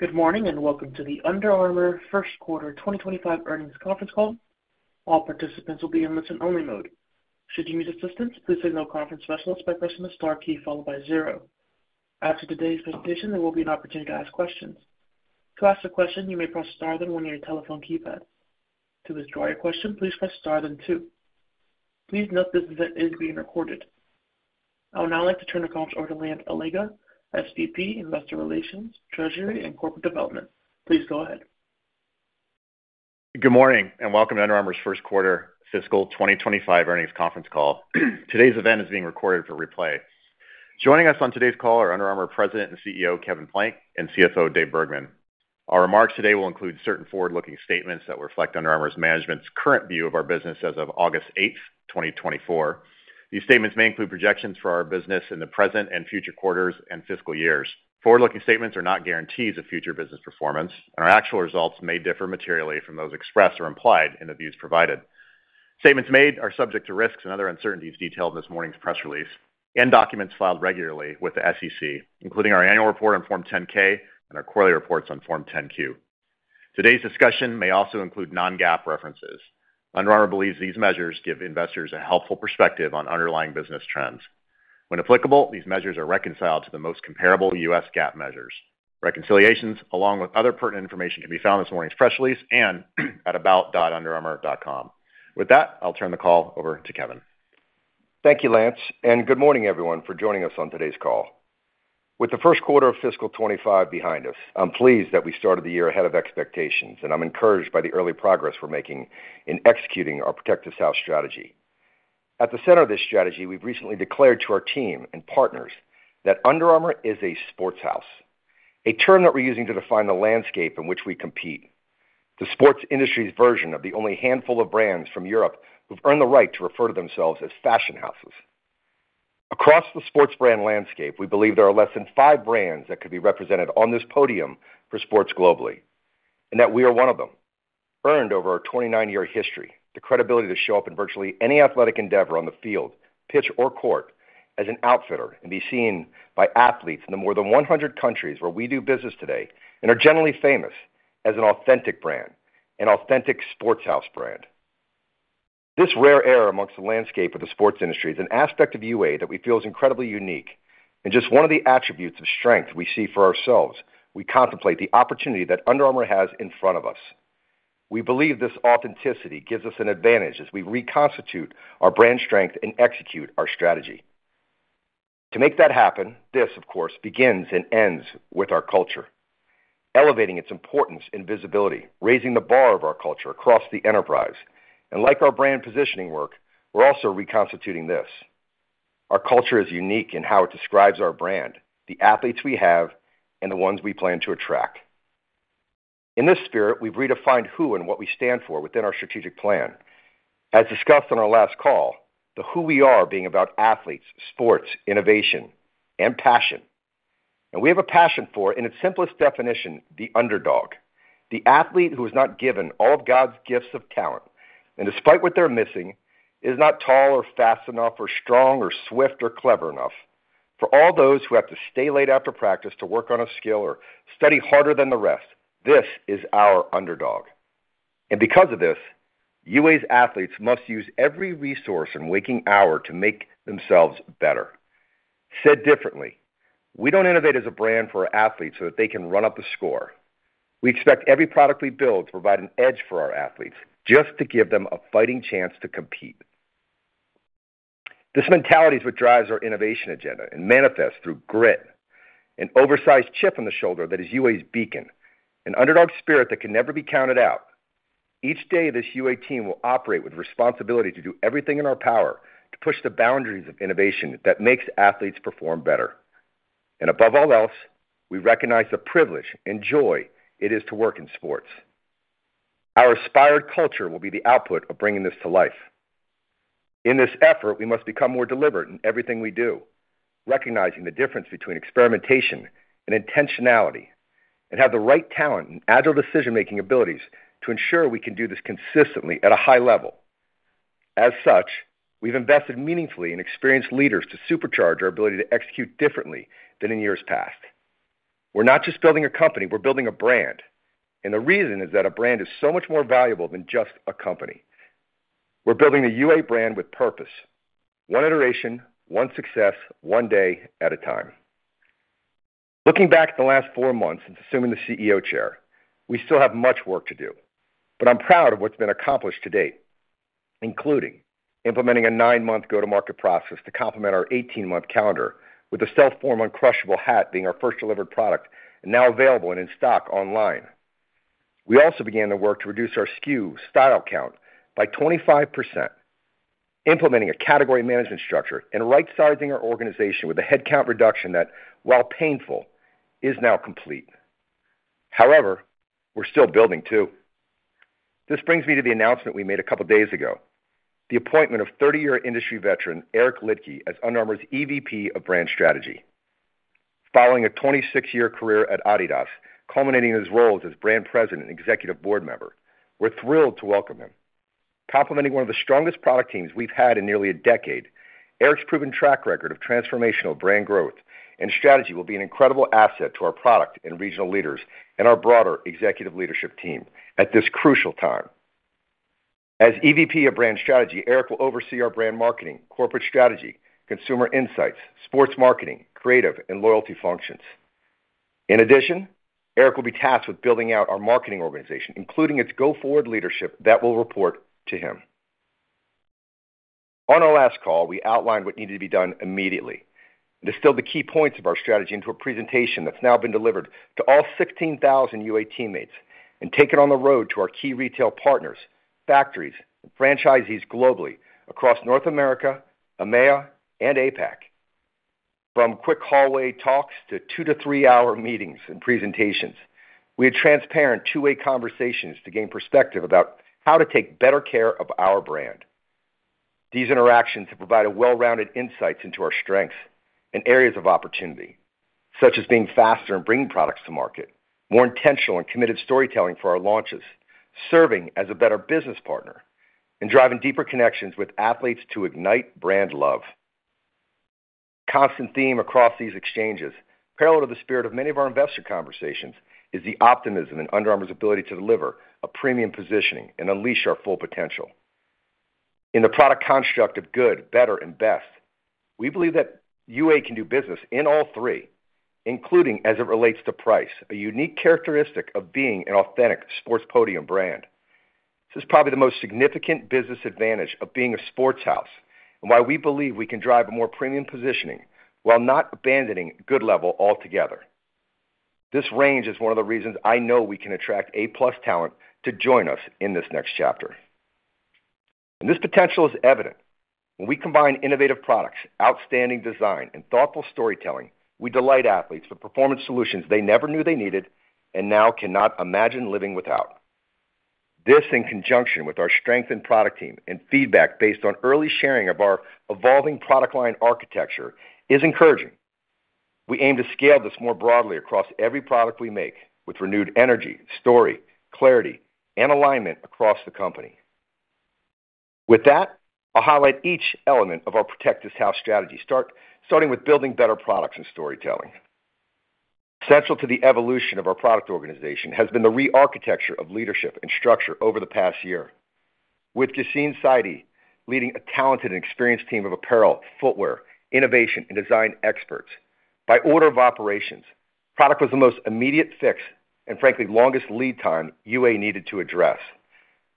Good morning, and welcome to the Under Armour First Quarter 2025 Earnings Conference Call. All participants will be in listen-only mode. Should you need assistance, please signal a conference specialist by pressing the star key followed by zero. After today's presentation, there will be an opportunity to ask questions. To ask a question, you may press star then one on your telephone keypad. To withdraw your question, please press star then two. Please note this event is being recorded. I would now like to turn the call over to Lance Allega, SVP, Investor Relations, Treasury, and Corporate Development. Please go ahead. Good morning, and welcome to Under Armour's first quarter fiscal 2025 earnings conference call. Today's event is being recorded for replay. Joining us on today's call are Under Armour President and CEO, Kevin Plank, and CFO, Dave Bergman. Our remarks today will include certain forward-looking statements that reflect Under Armour's management's current view of our business as of August 8th, 2024. These statements may include projections for our business in the present and future quarters and fiscal years. Forward-looking statements are not guarantees of future business performance, and our actual results may differ materially from those expressed or implied in the views provided. Statements made are subject to risks and other uncertainties detailed in this morning's press release and documents filed regularly with the SEC, including our annual report on Form 10-K and our quarterly reports on Form 10-Q. Today's discussion may also include non-GAAP references. Under Armour believes these measures give investors a helpful perspective on underlying business trends. When applicable, these measures are reconciled to the most comparable U.S. GAAP measures. Reconciliations, along with other pertinent information, can be found in this morning's press release and at aboutunderarmour.com. With that, I'll turn the call over to Kevin. Thank you, Lance, and good morning, everyone, for joining us on today's call. With the first quarter of fiscal 2025 behind us, I'm pleased that we started the year ahead of expectations, and I'm encouraged by the early progress we're making in executing our Protect Our House strategy. At the center of this strategy, we've recently declared to our team and partners that Under Armour is a sports house, a term that we're using to define the landscape in which we compete. The sports industry's version of the only handful of brands from Europe who've earned the right to refer to themselves as fashion houses. Across the sports brand landscape, we believe there are less than five brands that could be represented on this podium for sports globally, and that we are one of them, earned over our 29-year history, the credibility to show up in virtually any athletic endeavor on the field, pitch, or court as an outfitter, and be seen by athletes in the more than 100 countries where we do business today and are generally famous as an authentic brand, an authentic sports house brand. This rare era amongst the landscape of the sports industry is an aspect of UA that we feel is incredibly unique and just one of the attributes of strength we see for ourselves. We contemplate the opportunity that Under Armour has in front of us. We believe this authenticity gives us an advantage as we reconstitute our brand strength and execute our strategy. To make that happen, this, of course, begins and ends with our culture, elevating its importance and visibility, raising the bar of our culture across the enterprise, and like our brand positioning work, we're also reconstituting this. Our culture is unique in how it describes our brand, the athletes we have, and the ones we plan to attract. In this spirit, we've redefined who and what we stand for within our strategic plan. As discussed on our last call, the who we are being about athletes, sports, innovation, and passion. We have a passion for, in its simplest definition, the underdog, the athlete who is not given all of God's gifts of talent, and despite what they're missing, is not tall or fast enough or strong or swift or clever enough. For all those who have to stay late after practice to work on a skill or study harder than the rest, this is our underdog. Because of this, UA's athletes must use every resource and waking hour to make themselves better. Said differently, we don't innovate as a brand for our athletes so that they can run up the score. We expect every product we build to provide an edge for our athletes, just to give them a fighting chance to compete. This mentality is what drives our innovation agenda and manifests through grit, an oversized chip on the shoulder that is UA's beacon, an underdog spirit that can never be counted out. Each day, this UA team will operate with responsibility to do everything in our power to push the boundaries of innovation that makes athletes perform better. And above all else, we recognize the privilege and joy it is to work in sports. Our aspired culture will be the output of bringing this to life. In this effort, we must become more deliberate in everything we do, recognizing the difference between experimentation and intentionality, and have the right talent and agile decision-making abilities to ensure we can do this consistently at a high level. As such, we've invested meaningfully in experienced leaders to supercharge our ability to execute differently than in years past. We're not just building a company, we're building a brand, and the reason is that a brand is so much more valuable than just a company. We're building a UA brand with purpose, one iteration, one success, one day at a time. Looking back at the last four months since assuming the CEO chair, we still have much work to do, but I'm proud of what's been accomplished to date, including implementing a nine-month go-to-market process to complement our 18-month calendar, with the StealthForm Uncrushable Hat being our first delivered product and now available and in stock online. We also began the work to reduce our SKU style count by 25%, implementing a category management structure and right-sizing our organization with a headcount reduction that, while painful, is now complete. However, we're still building, too. This brings me to the announcement we made a couple of days ago, the appointment of 30-year industry veteran, Eric Liedtke, as Under Armour's EVP of Brand Strategy. Following a 26-year career at Adidas, culminating his roles as brand president and executive board member, we're thrilled to welcome him. Complementing one of the strongest product teams we've had in nearly a decade, Eric's proven track record of transformational brand growth and strategy will be an incredible asset to our product and regional leaders and our broader executive leadership team at this crucial time. As EVP of Brand Strategy, Eric will oversee our brand marketing, corporate strategy, consumer insights, sports marketing, creative, and loyalty functions. In addition, Eric will be tasked with building out our marketing organization, including its go-forward leadership that will report to him. On our last call, we outlined what needed to be done immediately, distilled the key points of our strategy into a presentation that's now been delivered to all 16,000 UA teammates, and taken on the road to our key retail partners, factories, and franchisees globally across North America, EMEA, and APAC. From quick hallway talks to two-to-three-hour meetings and presentations, we had transparent, two-way conversations to gain perspective about how to take better care of our brand. These interactions have provided well-rounded insights into our strengths and areas of opportunity, such as being faster in bringing products to market, more intentional and committed storytelling for our launches, serving as a better business partner, and driving deeper connections with athletes to ignite brand love. Constant theme across these exchanges, parallel to the spirit of many of our investor conversations, is the optimism in Under Armour's ability to deliver a premium positioning and unleash our full potential. In the product construct of good, better, and best, we believe that UA can do business in all three, including, as it relates to price, a unique characteristic of being an authentic sports podium brand. This is probably the most significant business advantage of being a sports house and why we believe we can drive a more premium positioning while not abandoning good level altogether. This range is one of the reasons I know we can attract A-plus talent to join us in this next chapter. This potential is evident. When we combine innovative products, outstanding design, and thoughtful storytelling, we delight athletes with performance solutions they never knew they needed and now cannot imagine living without. This, in conjunction with our strength in product team and feedback based on early sharing of our evolving product line architecture, is encouraging. We aim to scale this more broadly across every product we make, with renewed energy, story, clarity, and alignment across the company. With that, I'll highlight each element of our Protect This House strategy, starting with building better products and storytelling. Central to the evolution of our product organization has been the re-architecture of leadership and structure over the past year. With Yassine Saidi leading a talented and experienced team of apparel, footwear, innovation, and design experts, by order of operations, product was the most immediate fix and, frankly, longest lead time UA needed to address.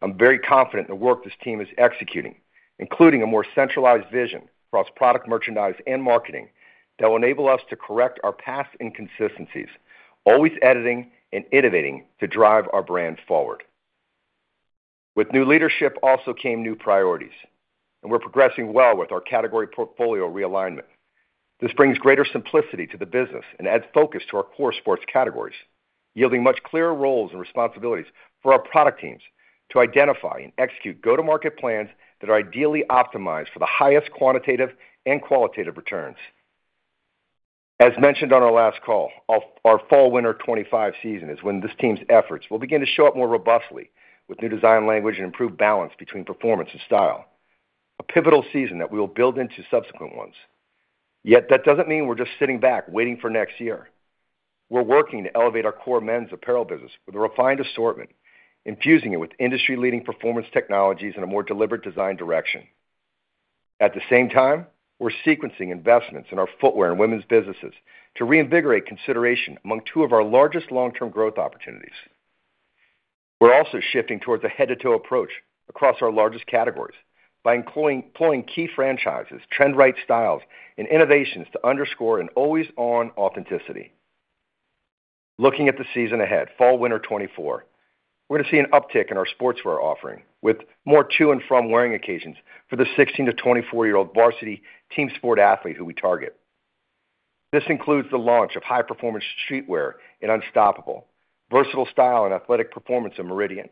I'm very confident in the work this team is executing, including a more centralized vision across product, merchandise, and marketing, that will enable us to correct our past inconsistencies, always editing and innovating to drive our brand forward. With new leadership also came new priorities, and we're progressing well with our category portfolio realignment. This brings greater simplicity to the business and adds focus to our core sports categories, yielding much clearer roles and responsibilities for our product teams to identify and execute go-to-market plans that are ideally optimized for the highest quantitative and qualitative returns. As mentioned on our last call, our Fall/Winter 2025 season is when this team's efforts will begin to show up more robustly with new design language and improved balance between performance and style, a pivotal season that we will build into subsequent ones. Yet, that doesn't mean we're just sitting back, waiting for next year. We're working to elevate our core men's apparel business with a refined assortment, infusing it with industry-leading performance technologies and a more deliberate design direction. At the same time, we're sequencing investments in our footwear and women's businesses to reinvigorate consideration among two of our largest long-term growth opportunities. We're also shifting towards a head-to-toe approach across our largest categories by including deploying key franchises, trend-right styles, and innovations to underscore an always-on authenticity. Looking at the season ahead, Fall/Winter 2024, we're to see an uptick in our sportswear offering, with more to-and-from wearing occasions for the 16- to 24-year-old varsity team sport athlete who we target. This includes the launch of high-performance streetwear and Unstoppable, versatile style and athletic performance in Meridian,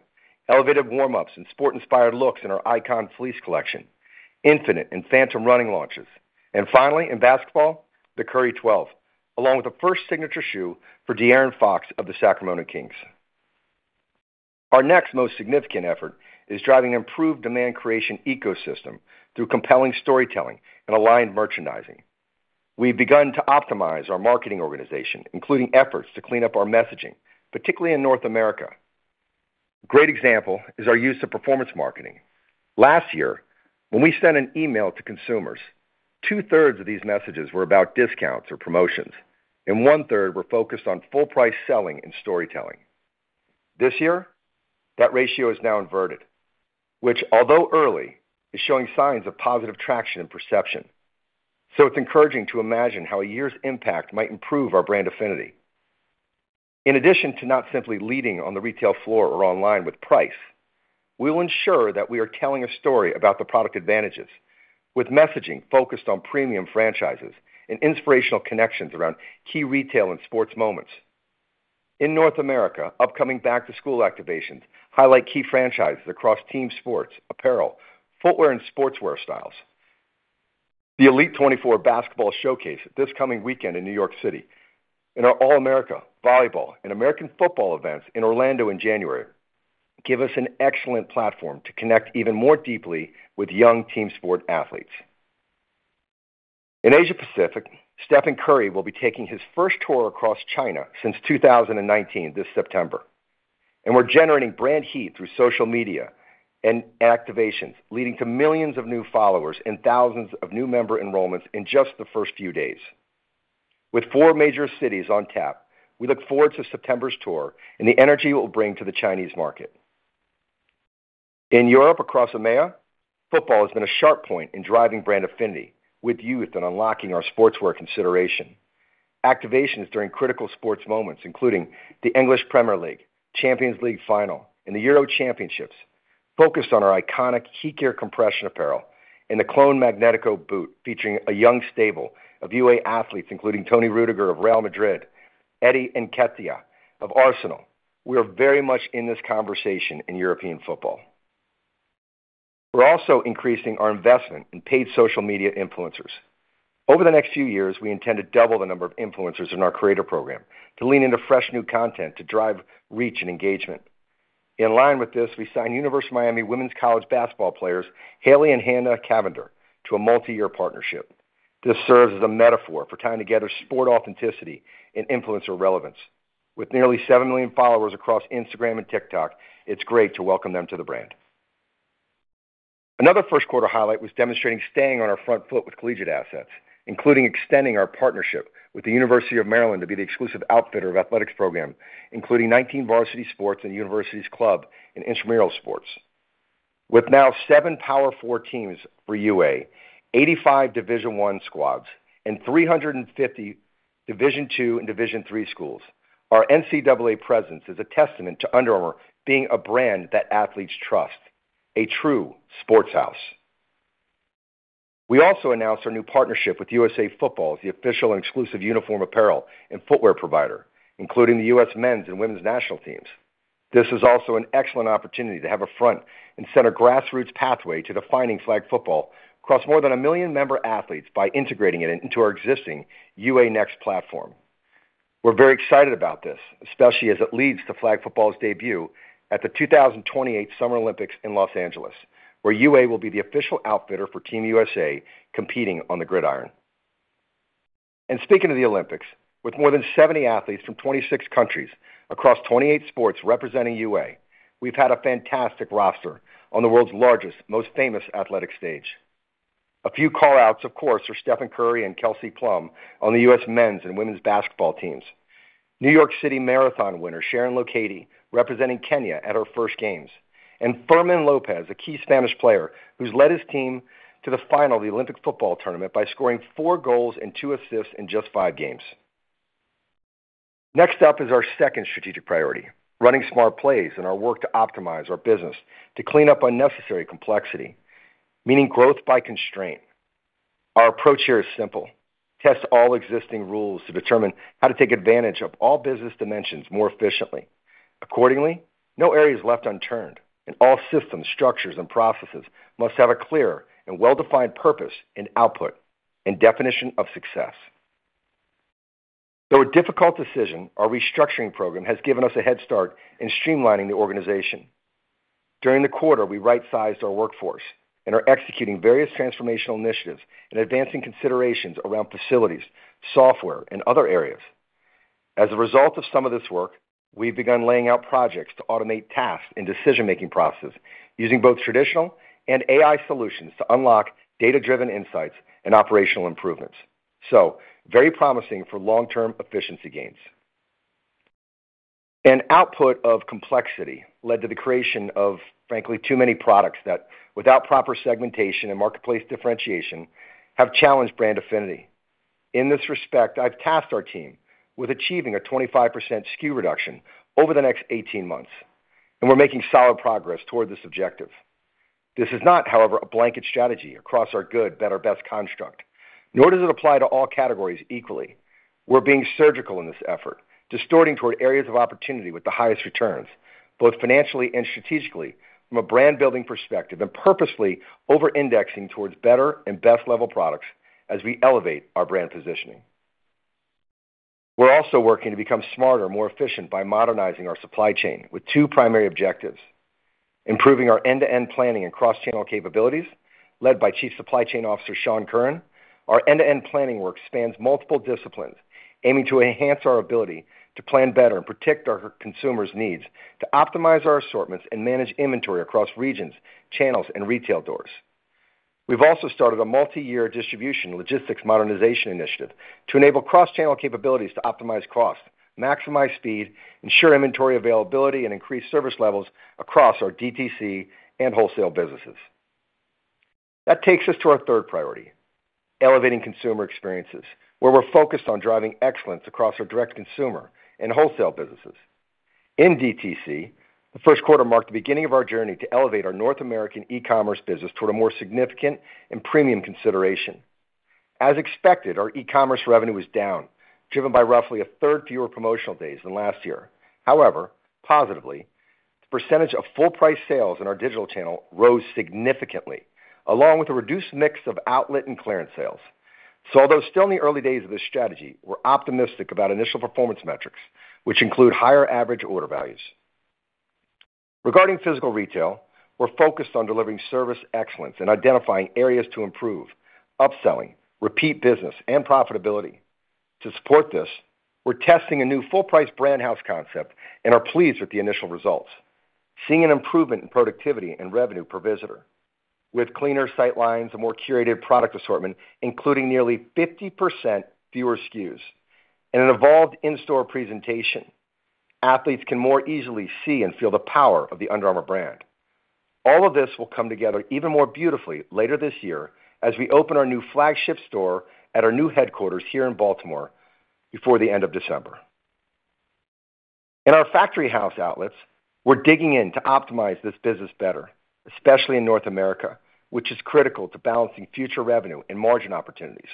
elevated warm-ups and sport-inspired looks in our Icon Fleece collection, Infinite and Phantom running launches, and finally, in basketball, the Curry 12, along with the first signature shoe for De'Aaron Fox of the Sacramento Kings. Our next most significant effort is driving improved demand creation ecosystem through compelling storytelling and aligned merchandising. We've begun to optimize our marketing organization, including efforts to clean up our messaging, particularly in North America. Great example is our use of performance marketing. Last year, when we sent an email to consumers, 2/3 of these messages were about discounts or promotions, and 1/3 were focused on full-price selling and storytelling. This year, that ratio is now inverted, which, although early, is showing signs of positive traction and perception. So it's encouraging to imagine how a year's impact might improve our brand affinity. In addition to not simply leading on the retail floor or online with price, we will ensure that we are telling a story about the product advantages, with messaging focused on premium franchises and inspirational connections around key retail and sports moments. In North America, upcoming back-to-school activations highlight key franchises across team sports, apparel, footwear, and sportswear styles. The Elite 24 basketball showcase this coming weekend in New York City, and our All-America volleyball and American football events in Orlando in January, give us an excellent platform to connect even more deeply with young team sport athletes. In Asia Pacific, Stephen Curry will be taking his first tour across China since 2019, this September. We're generating brand heat through social media and activations, leading to millions of new followers and thousands of new member enrollments in just the first few days. With four major cities on tap, we look forward to September's tour and the energy it will bring to the Chinese market. In Europe, across EMEA, football has been a sharp point in driving brand affinity with youth and unlocking our sportswear consideration. Activations during critical sports moments, including the English Premier League, Champions League Final, and the Euro Championships, focused on our iconic HeatGear compression apparel and the Clone Magnetico boot, featuring a young stable of UA athletes, including Toni Rüdiger of Real Madrid, Eddie Nketiah of Arsenal. We are very much in this conversation in European football. We're also increasing our investment in paid social media influencers. Over the next few years, we intend to double the number of influencers in our creator program to lean into fresh, new content to drive reach and engagement. In line with this, we signed University of Miami women's college basketball players, Hailey and Hannah Cavinder, to a multi-year partnership. This serves as a metaphor for tying together sport authenticity and influencer relevance. With nearly seven million followers across Instagram and TikTok, it's great to welcome them to the brand. Another first quarter highlight was demonstrating staying on our front foot with collegiate assets, including extending our partnership with the University of Maryland to be the exclusive outfitter of athletics program, including 19 varsity sports and universities club in intramural sports. With now seven Power Four teams for UA, 85 Division I squads, and 350 Division II and Division III schools, our NCAA presence is a testament to Under Armour being a brand that athletes trust, a true sports house. We also announced our new partnership with USA Football as the official and exclusive uniform, apparel, and footwear provider, including the US Men's and Women's National Teams. This is also an excellent opportunity to have a front-and-center grassroots pathway to defining flag football across more than a million member athletes by integrating it into our existing UA Next platform. We're very excited about this, especially as it leads to flag football's debut at the 2028 Summer Olympics in Los Angeles, where UA will be the official outfitter for Team USA, competing on the gridiron. Speaking of the Olympics, with more than 70 athletes from 26 countries across 28 sports representing UA, we've had a fantastic roster on the world's largest, most famous athletic stage. A few call-outs, of course, are Stephen Curry and Kelsey Plum on the U.S. Men's and Women's basketball teams, New York City Marathon winner Sharon Lokedi, representing Kenya at her first games, and Fermín López, a key Spanish player who's led his team to the final of the Olympic football tournament by scoring four goals and two assists in just five games. Next up is our second strategic priority, running smart plays and our work to optimize our business to clean up unnecessary complexity, meaning growth by constraint. Our approach here is simple: test all existing rules to determine how to take advantage of all business dimensions more efficiently. Accordingly, no area is left unturned, and all systems, structures, and processes must have a clear and well-defined purpose and output and definition of success. Though a difficult decision, our restructuring program has given us a head start in streamlining the organization. During the quarter, we right-sized our workforce and are executing various transformational initiatives and advancing considerations around facilities, software, and other areas. As a result of some of this work, we've begun laying out projects to automate tasks and decision-making processes using both traditional and AI solutions to unlock data-driven insights and operational improvements. So very promising for long-term efficiency gains. An output of complexity led to the creation of, frankly, too many products that, without proper segmentation and marketplace differentiation, have challenged brand affinity. In this respect, I've tasked our team with achieving a 25% SKU reduction over the next 18 months, and we're making solid progress toward this objective. This is not, however, a blanket strategy across our good, better, best construct, nor does it apply to all categories equally. We're being surgical in this effort, distorting toward areas of opportunity with the highest returns, both financially and strategically, from a brand-building perspective, and purposely over-indexing towards better and best level products as we elevate our brand positioning. We're also working to become smarter and more efficient by modernizing our supply chain with two primary objectives: improving our end-to-end planning and cross-channel capabilities. Led by Chief Supply Chain Officer Shawn Curran, our end-to-end planning work spans multiple disciplines, aiming to enhance our ability to plan better and protect our consumers' needs, to optimize our assortments and manage inventory across regions, channels, and retail doors. We've also started a multi-year distribution logistics modernization initiative to enable cross-channel capabilities to optimize costs, maximize speed, ensure inventory availability, and increase service levels across our DTC and wholesale businesses. That takes us to our third priority, elevating consumer experiences, where we're focused on driving excellence across our direct consumer and wholesale businesses. In DTC, the first quarter marked the beginning of our journey to elevate our North American e-commerce business toward a more significant and premium consideration. As expected, our e-commerce revenue was down, driven by roughly a third fewer promotional days than last year. However, the percentage of full-price sales in our digital channel rose significantly, along with a reduced mix of outlet and clearance sales. So although still in the early days of this strategy, we're optimistic about initial performance metrics, which include higher average order values. Regarding physical retail, we're focused on delivering service excellence and identifying areas to improve upselling, repeat business, and profitability. To support this, we're testing a new full-price brand house concept and are pleased with the initial results, seeing an improvement in productivity and revenue per visitor. With cleaner sight lines and more curated product assortment, including nearly 50% fewer SKUs and an evolved in-store presentation, athletes can more easily see and feel the power of the Under Armour brand. All of this will come together even more beautifully later this year, as we open our new flagship store at our new headquarters here in Baltimore before the end of December. In our Factory House outlets, we're digging in to optimize this business better, especially in North America, which is critical to balancing future revenue and margin opportunities.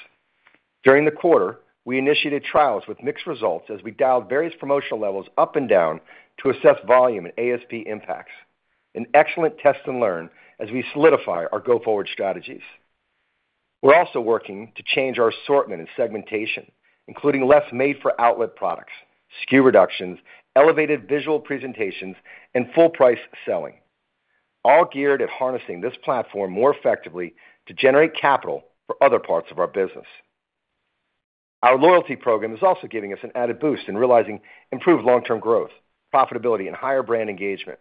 During the quarter, we initiated trials with mixed results as we dialed various promotional levels up and down to assess volume and ASP impacts, an excellent test and learn as we solidify our go-forward strategies. We're also working to change our assortment and segmentation, including less made-for-outlet products, SKU reductions, elevated visual presentations, and full-price selling, all geared at harnessing this platform more effectively to generate capital for other parts of our business. Our loyalty program is also giving us an added boost in realizing improved long-term growth, profitability, and higher brand engagement.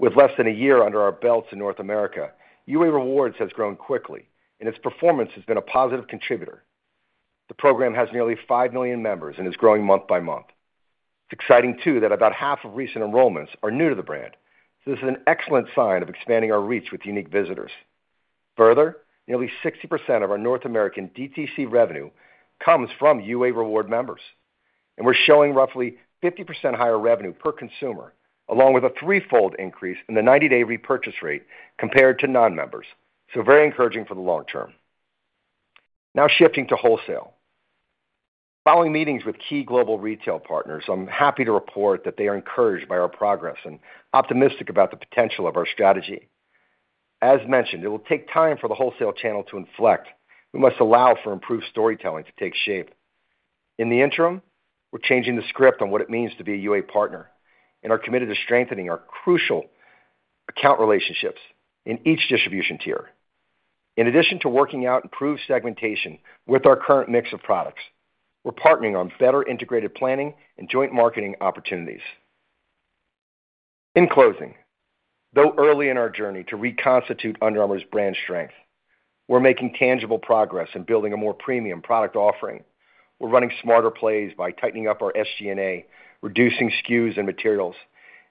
With less than a year under our belts in North America, UA Rewards has grown quickly, and its performance has been a positive contributor. The program has nearly five million members and is growing month by month. It's exciting, too, that about half of recent enrollments are new to the brand, so this is an excellent sign of expanding our reach with unique visitors. Further, nearly 60% of our North American DTC revenue comes from UA Rewards members, and we're showing roughly 50% higher revenue per consumer, along with a threefold increase in the 90-day repurchase rate compared to non-members, so very encouraging for the long term. Now shifting to wholesale. Following meetings with key global retail partners, I'm happy to report that they are encouraged by our progress and optimistic about the potential of our strategy. As mentioned, it will take time for the wholesale channel to inflect. We must allow for improved storytelling to take shape. In the interim, we're changing the script on what it means to be a UA partner and are committed to strengthening our crucial account relationships in each distribution tier. In addition to working out improved segmentation with our current mix of products, we're partnering on better integrated planning and joint marketing opportunities. In closing, though early in our journey to reconstitute Under Armour's brand strength, we're making tangible progress in building a more premium product offering. We're running smarter plays by tightening up our SG&A, reducing SKUs and materials,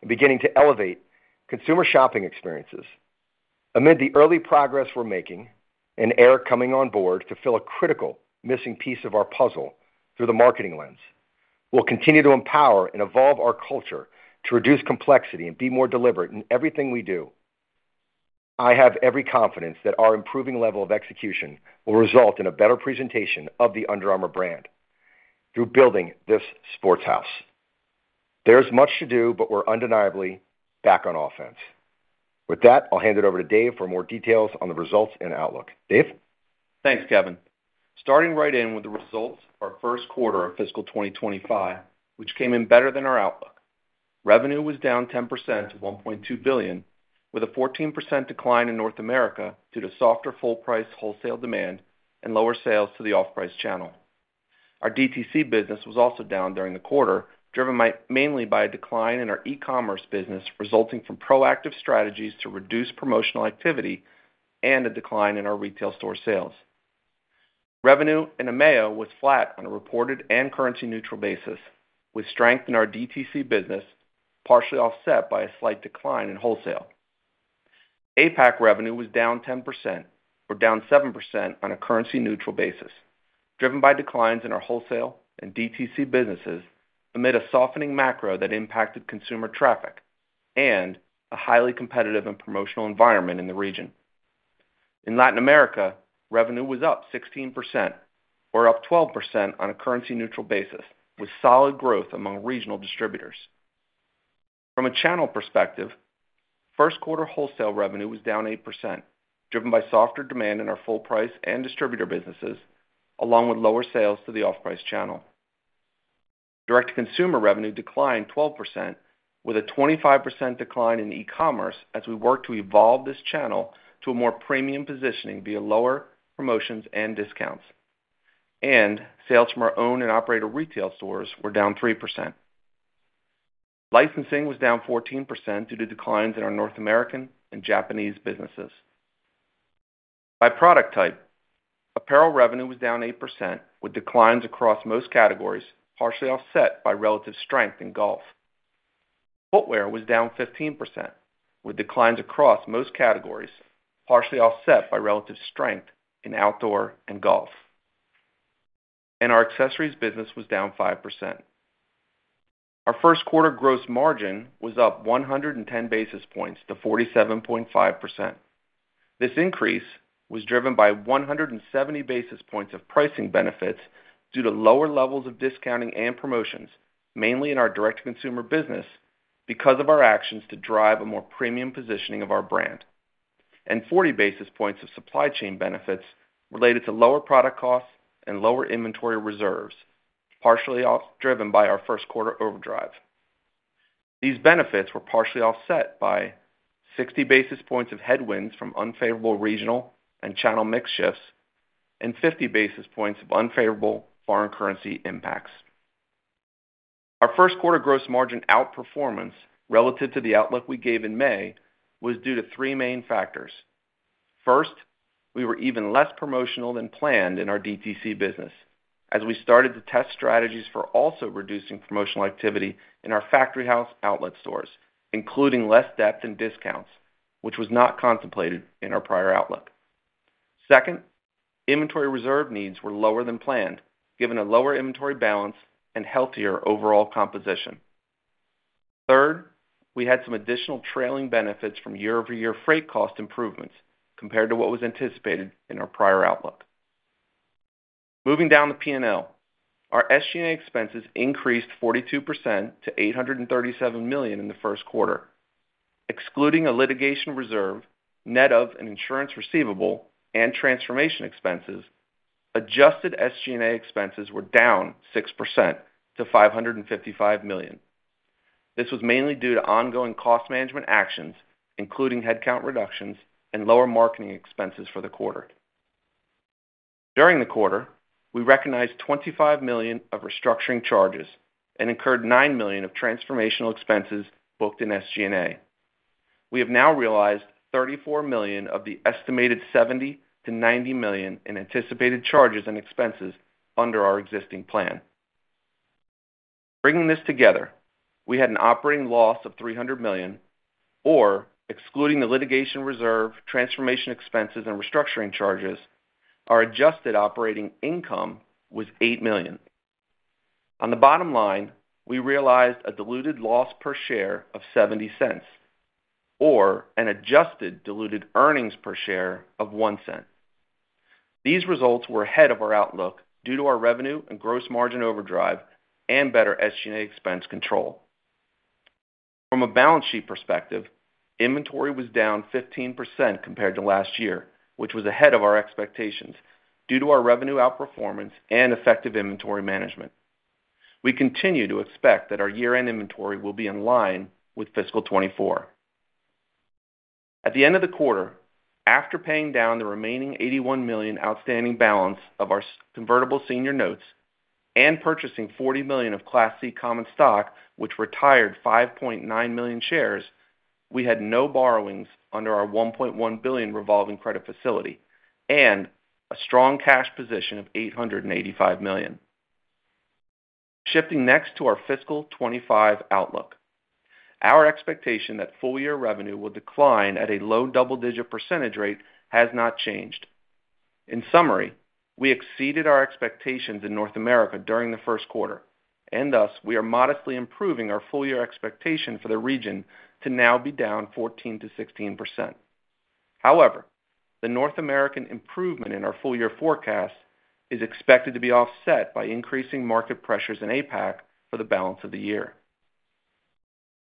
and beginning to elevate consumer shopping experiences. Amid the early progress we're making and Eric coming on board to fill a critical missing piece of our puzzle through the marketing lens, we'll continue to empower and evolve our culture to reduce complexity and be more deliberate in everything we do. I have every confidence that our improving level of execution will result in a better presentation of the Under Armour brand through building this sports house. There's much to do, but we're undeniably back on offense. With that, I'll hand it over to Dave for more details on the results and outlook. Dave? Thanks, Kevin. Starting right in with the results of our first quarter of fiscal 2025, which came in better than our outlook. Revenue was down 10% to $1.2 billion, with a 14% decline in North America due to softer full-price wholesale demand and lower sales to the off-price channel. Our DTC business was also down during the quarter, driven mainly by a decline in our e-commerce business, resulting from proactive strategies to reduce promotional activity and a decline in our retail store sales. Revenue in EMEA was flat on a reported and currency-neutral basis, with strength in our DTC business, partially offset by a slight decline in wholesale. APAC revenue was down 10%, or down 7% on a currency-neutral basis, driven by declines in our wholesale and DTC businesses amid a softening macro that impacted consumer traffic and a highly competitive and promotional environment in the region. In Latin America, revenue was up 16%, or up 12% on a currency-neutral basis, with solid growth among regional distributors. From a channel perspective, first quarter wholesale revenue was down 8%, driven by softer demand in our full-price and distributor businesses, along with lower sales to the off-price channel. Direct-to-consumer revenue declined 12%, with a 25% decline in e-commerce as we work to evolve this channel to a more premium positioning via lower promotions and discounts. Sales from our own and operator retail stores were down 3%. Licensing was down 14% due to declines in our North American and Japanese businesses. By product type, apparel revenue was down 8%, with declines across most categories, partially offset by relative strength in golf. Footwear was down 15%, with declines across most categories, partially offset by relative strength in outdoor and golf. Our accessories business was down 5%. Our first quarter gross margin was up 110 basis points to 47.5%. This increase was driven by 170 basis points of pricing benefits due to lower levels of discounting and promotions, mainly in our direct-to-consumer business, because of our actions to drive a more premium positioning of our brand. 40 basis points of supply chain benefits related to lower product costs and lower inventory reserves, partially offset, driven by our first quarter overdrive. These benefits were partially offset by 60 basis points of headwinds from unfavorable regional and channel mix shifts, and 50 basis points of unfavorable foreign currency impacts. Our first quarter gross margin outperformance, relative to the outlook we gave in May, was due to three main factors. First, we were even less promotional than planned in our DTC business, as we started to test strategies for also reducing promotional activity in our factory house outlet stores, including less depth and discounts, which was not contemplated in our prior outlook. Second, inventory reserve needs were lower than planned, given a lower inventory balance and healthier overall composition. Third, we had some additional trailing benefits from year-over-year freight cost improvements compared to what was anticipated in our prior outlook. Moving down to P&L. Our SG&A expenses increased 42% to $837 million in the first quarter. Excluding a litigation reserve, net of an insurance receivable and transformation expenses, adjusted SG&A expenses were down 6% to $555 million. This was mainly due to ongoing cost management actions, including headcount reductions and lower marketing expenses for the quarter. During the quarter, we recognized $25 million of restructuring charges and incurred $9 million of transformational expenses booked in SG&A. We have now realized $34 million of the estimated $70 million-$90 million in anticipated charges and expenses under our existing plan. Bringing this together, we had an operating loss of $300 million, or excluding the litigation reserve, transformation expenses, and restructuring charges, our adjusted operating income was $8 million. On the bottom line, we realized a diluted loss per share of $0.70, or an adjusted diluted earnings per share of $0.01. These results were ahead of our outlook due to our revenue and gross margin overdrive and better SG&A expense control. From a balance sheet perspective, inventory was down 15% compared to last year, which was ahead of our expectations, due to our revenue outperformance and effective inventory management. We continue to expect that our year-end inventory will be in line with fiscal 2024. At the end of the quarter, after paying down the remaining $81 million outstanding balance of our convertible senior notes and purchasing $40 million of Class C common stock, which retired 5.9 million shares, we had no borrowings under our $1.1 billion revolving credit facility and a strong cash position of $885 million. Shifting next to our fiscal 2025 outlook. Our expectation that full-year revenue will decline at a low double-digit percentage rate has not changed. In summary, we exceeded our expectations in North America during the first quarter, and thus, we are modestly improving our full-year expectation for the region to now be down 14%-16%. However, the North American improvement in our full-year forecast is expected to be offset by increasing market pressures in APAC for the balance of the year.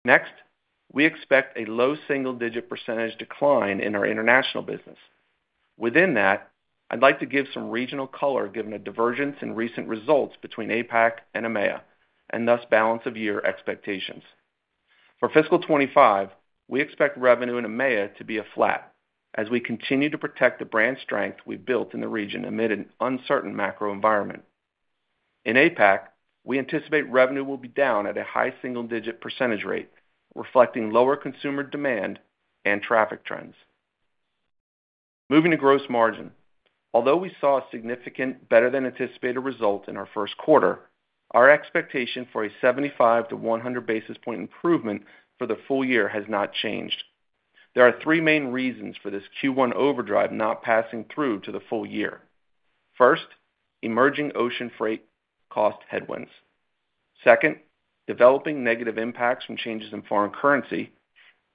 Next, we expect a low single-digit % decline in our international business. Within that, I'd like to give some regional color, given a divergence in recent results between APAC and EMEA, and thus balance of year expectations. For fiscal 2025, we expect revenue in EMEA to be a flat, as we continue to protect the brand strength we built in the region amid an uncertain macro environment. In APAC, we anticipate revenue will be down at a high single-digit % rate, reflecting lower consumer demand and traffic trends. Moving to gross margin. Although we saw a significant better than anticipated result in our first quarter, our expectation for a 75-100 basis point improvement for the full year has not changed. There are three main reasons for this Q1 overdrive not passing through to the full year. First, emerging ocean freight cost headwinds; second, developing negative impacts from changes in foreign currency;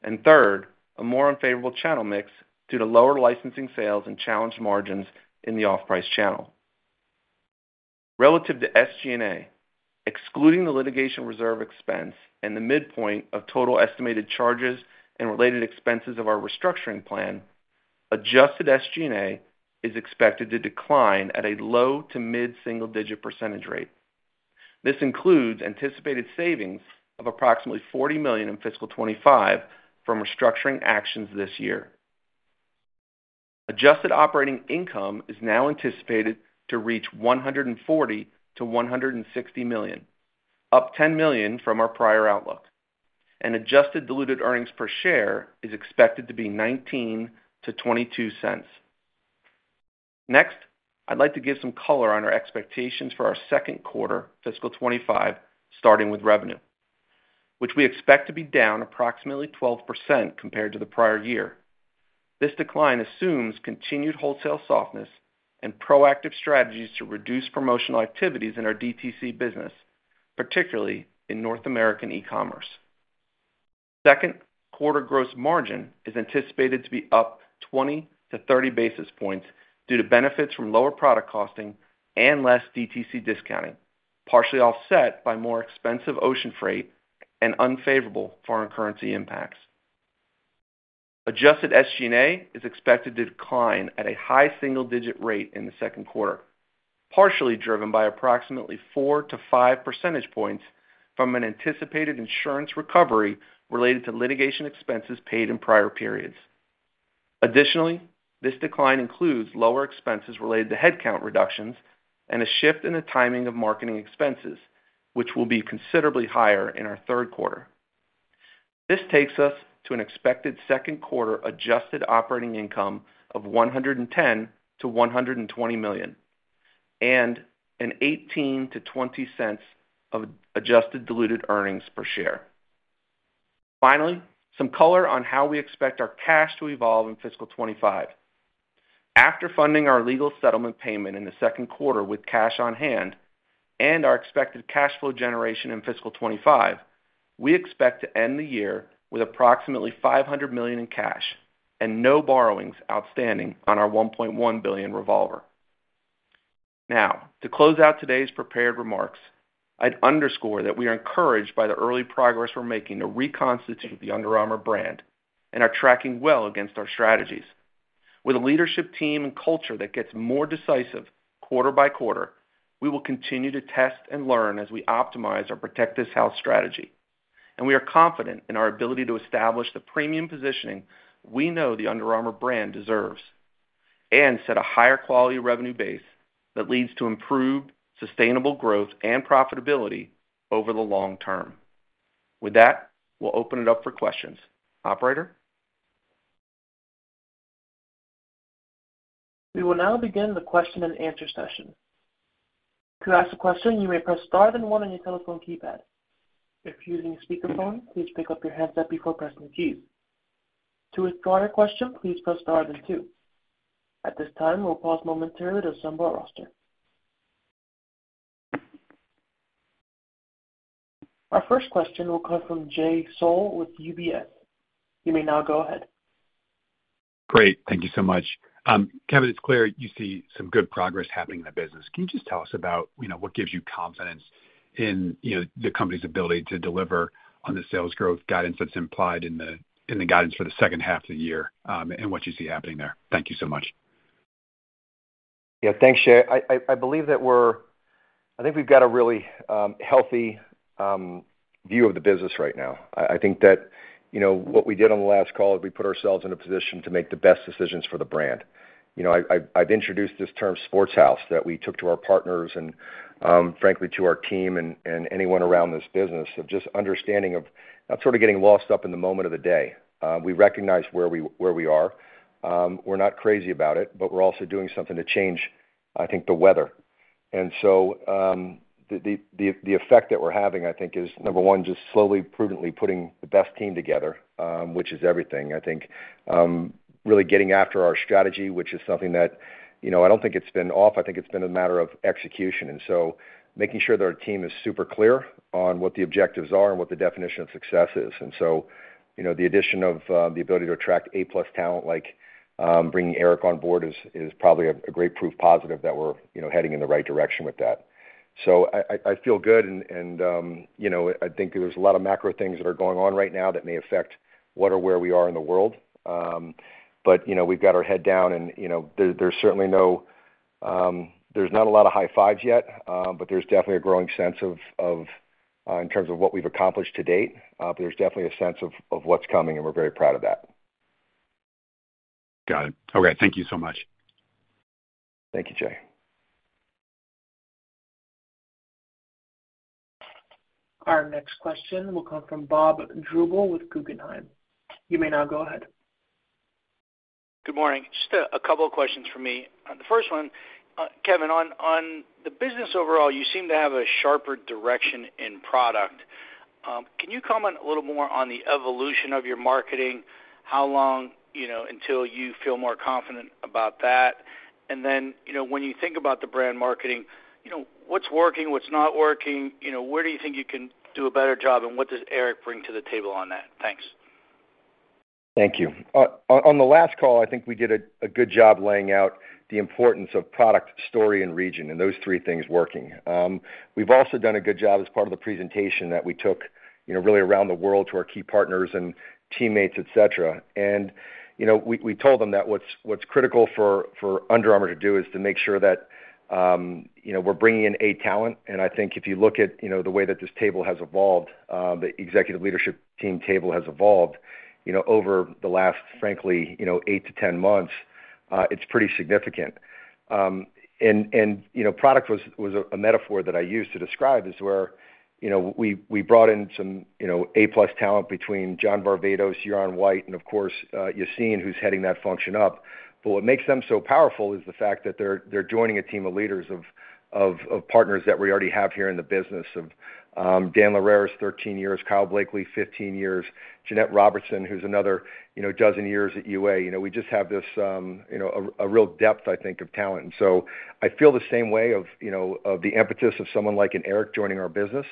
and third, a more unfavorable channel mix due to lower licensing sales and challenged margins in the off-price channel. Relative to SG&A, excluding the litigation reserve expense and the midpoint of total estimated charges and related expenses of our restructuring plan, adjusted SG&A is expected to decline at a low- to mid-single-digit percentage rate. This includes anticipated savings of approximately $40 million in fiscal 2025 from restructuring actions this year. Adjusted operating income is now anticipated to reach $140 million-$160 million, up $10 million from our prior outlook, and adjusted diluted earnings per share is expected to be $0.19-$0.22. Next, I'd like to give some color on our expectations for our second quarter, fiscal 2025, starting with revenue, which we expect to be down approximately 12% compared to the prior year. This decline assumes continued wholesale softness and proactive strategies to reduce promotional activities in our DTC business, particularly in North American e-commerce. Second quarter gross margin is anticipated to be up 20-30 basis points due to benefits from lower product costing and less DTC discounting, partially offset by more expensive ocean freight and unfavorable foreign currency impacts. Adjusted SG&A is expected to decline at a high single-digit rate in the second quarter, partially driven by approximately 4-5 percentage points from an anticipated insurance recovery related to litigation expenses paid in prior periods. Additionally, this decline includes lower expenses related to headcount reductions and a shift in the timing of marketing expenses, which will be considerably higher in our third quarter. This takes us to an expected second quarter adjusted operating income of $110 million-$120 million, and an $0.18-$0.20 of adjusted diluted earnings per share. Finally, some color on how we expect our cash to evolve in fiscal 2025. After funding our legal settlement payment in the second quarter with cash on hand and our expected cash flow generation in fiscal 2025, we expect to end the year with approximately $500 million in cash and no borrowings outstanding on our $1.1 billion revolver. Now, to close out today's prepared remarks, I'd underscore that we are encouraged by the early progress we're making to reconstitute the Under Armour brand and are tracking well against our strategies. With a leadership team and culture that gets more decisive quarter by quarter, we will continue to test and learn as we optimize our Protect This House strategy. We are confident in our ability to establish the premium positioning we know the Under Armour brand deserves, and set a higher quality revenue base that leads to improved sustainable growth and profitability over the long term. With that, we'll open it up for questions. Operator? We will now begin the question-and-answer session. To ask a question, you may press star, then one on your telephone keypad. If you're using a speakerphone, please pick up your handset before pressing keys. To withdraw your question, please press star then two. At this time, we'll pause momentarily to assemble our roster. Our first question will come from Jay Sole with UBS. You may now go ahead. Great. Thank you so much. Kevin, it's clear you see some good progress happening in the business. Can you just tell us about, you know, what gives you confidence in, you know, the company's ability to deliver on the sales growth guidance that's implied in the, in the guidance for the second half of the year, and what you see happening there? Thank you so much. Yeah, thanks, Jay. I believe that we're—I think we've got a really, healthy, view of the business right now. I think that, you know, what we did on the last call is we put ourselves in a position to make the best decisions for the brand. You know, I've introduced this term, sports house, that we took to our partners and, frankly, to our team and anyone around this business of just understanding of not sort of getting lost up in the moment of the day. We recognize where we are. We're not crazy about it, but we're also doing something to change, I think, the weather. And so, the effect that we're having, I think, is, number one, just slowly, prudently putting the best team together, which is everything. I think, really getting after our strategy, which is something that, you know, I don't think it's been off. I think it's been a matter of execution, and so making sure that our team is super clear on what the objectives are and what the definition of success is. And so, you know, the addition of, the ability to attract A-plus talent, like, bringing Eric on board is, is probably a, a great proof positive that we're, you know, heading in the right direction with that. So I, I, I feel good, and, and, you know, I think there's a lot of macro things that are going on right now that may affect what or where we are in the world. But, you know, we've got our head down and, you know, there, there's certainly no... There's not a lot of high fives yet, but there's definitely a growing sense of in terms of what we've accomplished to date. But there's definitely a sense of what's coming, and we're very proud of that. Got it. Okay, thank you so much. Thank you, Jay. Our next question will come from Bob Drbul with Guggenheim. You may now go ahead. Good morning. Just a couple of questions from me. The first one, Kevin, on the business overall, you seem to have a sharper direction in product. Can you comment a little more on the evolution of your marketing? How long, you know, until you feel more confident about that? And then, you know, when you think about the brand marketing, you know, what's working, what's not working, you know, where do you think you can do a better job, and what does Eric bring to the table on that? Thanks. Thank you. On the last call, I think we did a good job laying out the importance of product, story, and region, and those three things working. We've also done a good job as part of the presentation that we took, you know, really around the world to our key partners and teammates, et cetera. And, you know, we told them that what's critical for Under Armour to do is to make sure that, you know, we're bringing in A talent. And I think if you look at, you know, the way that this table has evolved, the executive leadership team table has evolved, you know, over the last, frankly, you know, eight-10 months, it's pretty significant. And, you know, product was a metaphor that I use to describe is where, you know, we brought in some, you know, A-plus talent between John Varvatos, Yassine, who's heading that function up. But what makes them so powerful is the fact that they're joining a team of leaders of partners that we already have here in the business of Dan Leraris is 13 years, Kyle Blakely, 15 years. Jeanette Robertson, who's another, you know, 12 years at UA. You know, we just have this, you know, a real depth, I think, of talent. I feel the same way of, you know, of the impetus of someone like an Eric joining our business,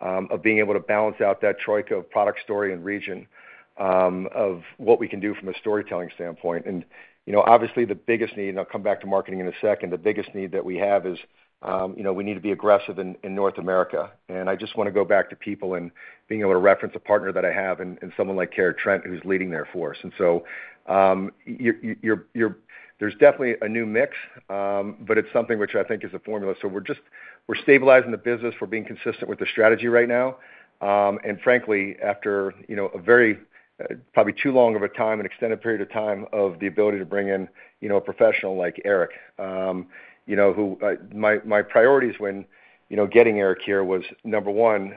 of being able to balance out that troika of product story and region, of what we can do from a storytelling standpoint. You know, obviously, the biggest need, and I'll come back to marketing in a second, the biggest need that we have is, you know, we need to be aggressive in North America. I just wanna go back to people and being able to reference a partner that I have and someone like Kara Trent, who's leading their force. You're-- There's definitely a new mix, but it's something which I think is a formula. So we're just stabilizing the business. We're being consistent with the strategy right now. And frankly, after, you know, a very, probably too long of a time and extended period of time of the ability to bring in, you know, a professional like Eric, you know, who... My, my priorities when, you know, getting Eric here was, number one,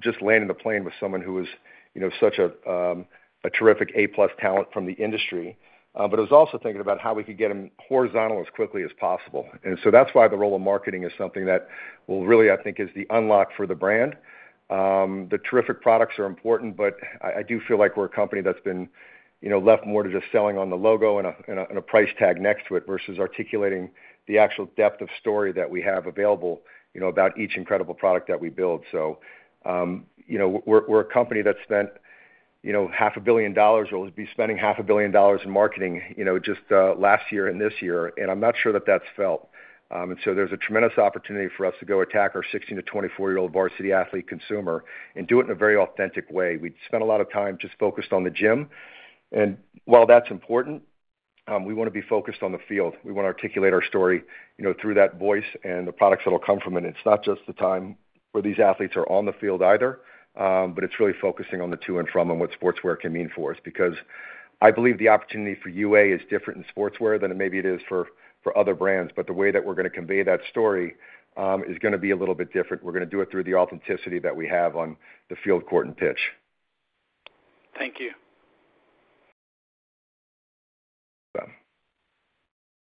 just landing the plane with someone who was, you know, such a, a terrific A-plus talent from the industry. But it was also thinking about how we could get him horizontal as quickly as possible. And so that's why the role of marketing is something that will really, I think, is the unlock for the brand. The terrific products are important, but I do feel like we're a company that's been, you know, left more to just selling on the logo and a price tag next to it, versus articulating the actual depth of story that we have available, you know, about each incredible product that we build. So, you know, we're a company that spent, you know, $500 million, or will be spending $500 million in marketing, you know, just last year and this year, and I'm not sure that that's felt. And so there's a tremendous opportunity for us to go attack our 16-24 year old varsity athlete consumer and do it in a very authentic way. We'd spent a lot of time just focused on the gym, and while that's important, we wanna be focused on the field. We wanna articulate our story, you know, through that voice and the products that'll come from it. It's not just the time where these athletes are on the field either, but it's really focusing on the to and from, and what sportswear can mean for us. Because I believe the opportunity for UA is different in sportswear than it maybe it is for, for other brands, but the way that we're gonna convey that story, is gonna be a little bit different. We're gonna do it through the authenticity that we have on the field, court, and pitch. Thank you.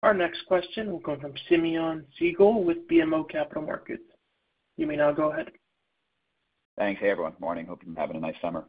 Our next question will come from Simeon Siegel with BMO Capital Markets. You may now go ahead. Thanks. Hey, everyone. Morning. Hope you're having a nice summer.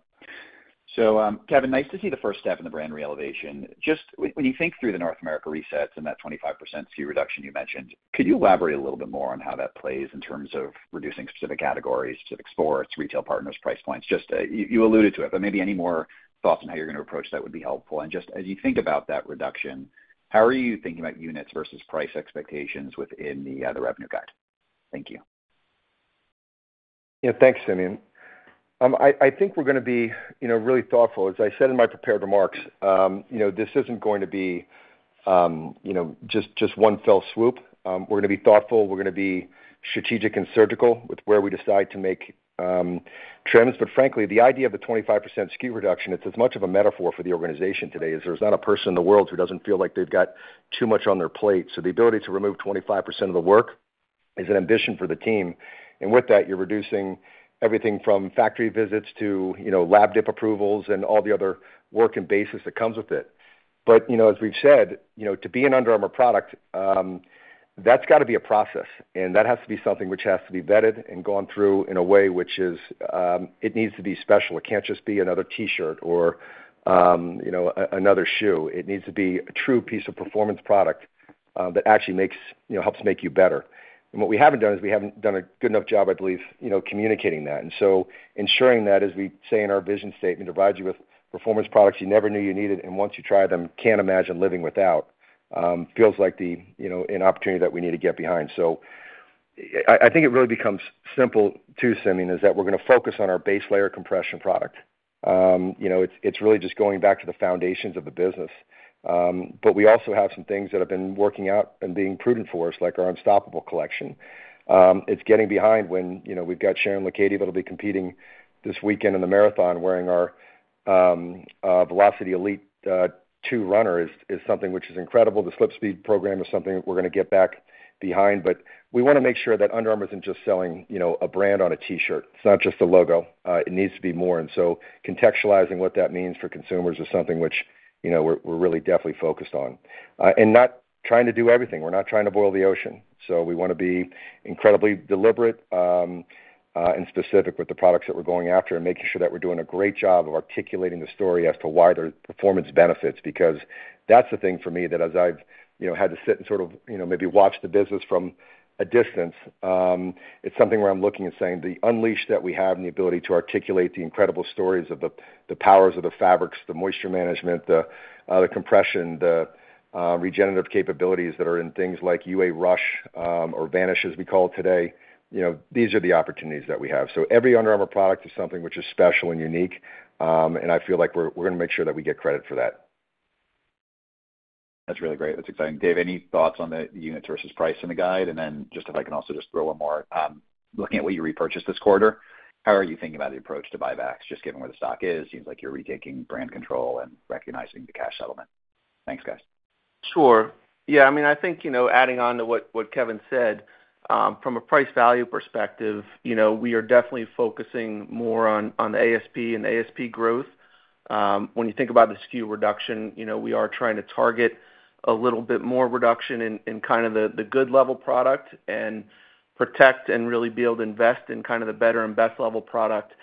So, Kevin, nice to see the first step in the brand re-elevation. Just when you think through the North America resets and that 25% SKU reduction you mentioned, could you elaborate a little bit more on how that plays in terms of reducing specific categories, specific sports, retail partners, price points? Just, you, you alluded to it, but maybe any more thoughts on how you're gonna approach that would be helpful. And just as you think about that reduction, how are you thinking about units versus price expectations within the, the revenue guide? Thank you. Yeah, thanks, Simeon. I think we're gonna be, you know, really thoughtful. As I said in my prepared remarks, you know, this isn't going to be, you know, just one fell swoop. We're gonna be thoughtful. We're gonna be strategic and surgical with where we decide to make cuts. But frankly, the idea of a 25% SKU reduction, it's as much of a metaphor for the organization today, as there's not a person in the world who doesn't feel like they've got too much on their plate. So the ability to remove 25% of the work is an ambition for the team. And with that, you're reducing everything from factory visits to, you know, lab dip approvals and all the other work and basics that comes with it. But, you know, as we've said, you know, to be an Under Armour product, that's gotta be a process, and that has to be something which has to be vetted and gone through in a way which is, it needs to be special. It can't just be another T-shirt or, you know, another shoe. It needs to be a true piece of performance product, that actually makes, you know, helps make you better. And what we haven't done is we haven't done a good enough job, I believe, you know, communicating that. And so ensuring that, as we say in our vision statement, "To provide you with performance products you never knew you needed, and once you try them, can't imagine living without," feels like the, you know, an opportunity that we need to get behind. So I think it really becomes simple, too, Simeon, is that we're gonna focus on our base layer compression product. You know, it's really just going back to the foundations of the business. But we also have some things that have been working out and being prudent for us, like our Unstoppable collection. It's getting behind when, you know, we've got Sharon Lokedi, that'll be competing this weekend in the marathon, wearing our Velociti Elite 2 runners, is something which is incredible. The SlipSpeed program is something that we're gonna get back behind, but we wanna make sure that Under Armour isn't just selling, you know, a brand on a T-shirt. It's not just a logo. It needs to be more. And so contextualizing what that means for consumers is something which, you know, we're really definitely focused on. And not trying to do everything. We're not trying to boil the ocean, so we wanna be incredibly deliberate, and specific with the products that we're going after and making sure that we're doing a great job of articulating the story as to why there are performance benefits. Because that's the thing for me, that as I've, you know, had to sit and sort of, you know, maybe watch the business from a distance, it's something where I'm looking and saying, the unleash that we have and the ability to articulate the incredible stories of the powers of the fabrics, the moisture management, the compression, the regenerative capabilities that are in things like UA Rush, or Vanish, as we call it today, you know, these are the opportunities that we have. So every Under Armour product is something which is special and unique, and I feel like we're, we're gonna make sure that we get credit for that. That's really great. That's exciting. Dave, any thoughts on the units versus price in the guide? And then, just if I can also just throw one more. Looking at what you repurchased this quarter, how are you thinking about the approach to buybacks, just given where the stock is? Seems like you're retaking brand control and recognizing the cash settlement. Thanks, guys. Sure. Yeah, I mean, I think, you know, adding on to what Kevin said, from a price value perspective, you know, we are definitely focusing more on the ASP and ASP growth. When you think about the SKU reduction, you know, we are trying to target a little bit more reduction in kind of the good level product and protect and really be able to invest in kind of the better and best level product.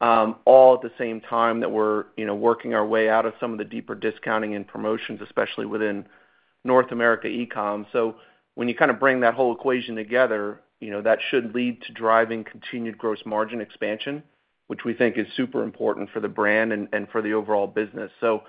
All at the same time that we're, you know, working our way out of some of the deeper discounting and promotions, especially within North America e-com. So when you kind of bring that whole equation together, you know, that should lead to driving continued gross margin expansion, which we think is super important for the brand and, and for the overall business. So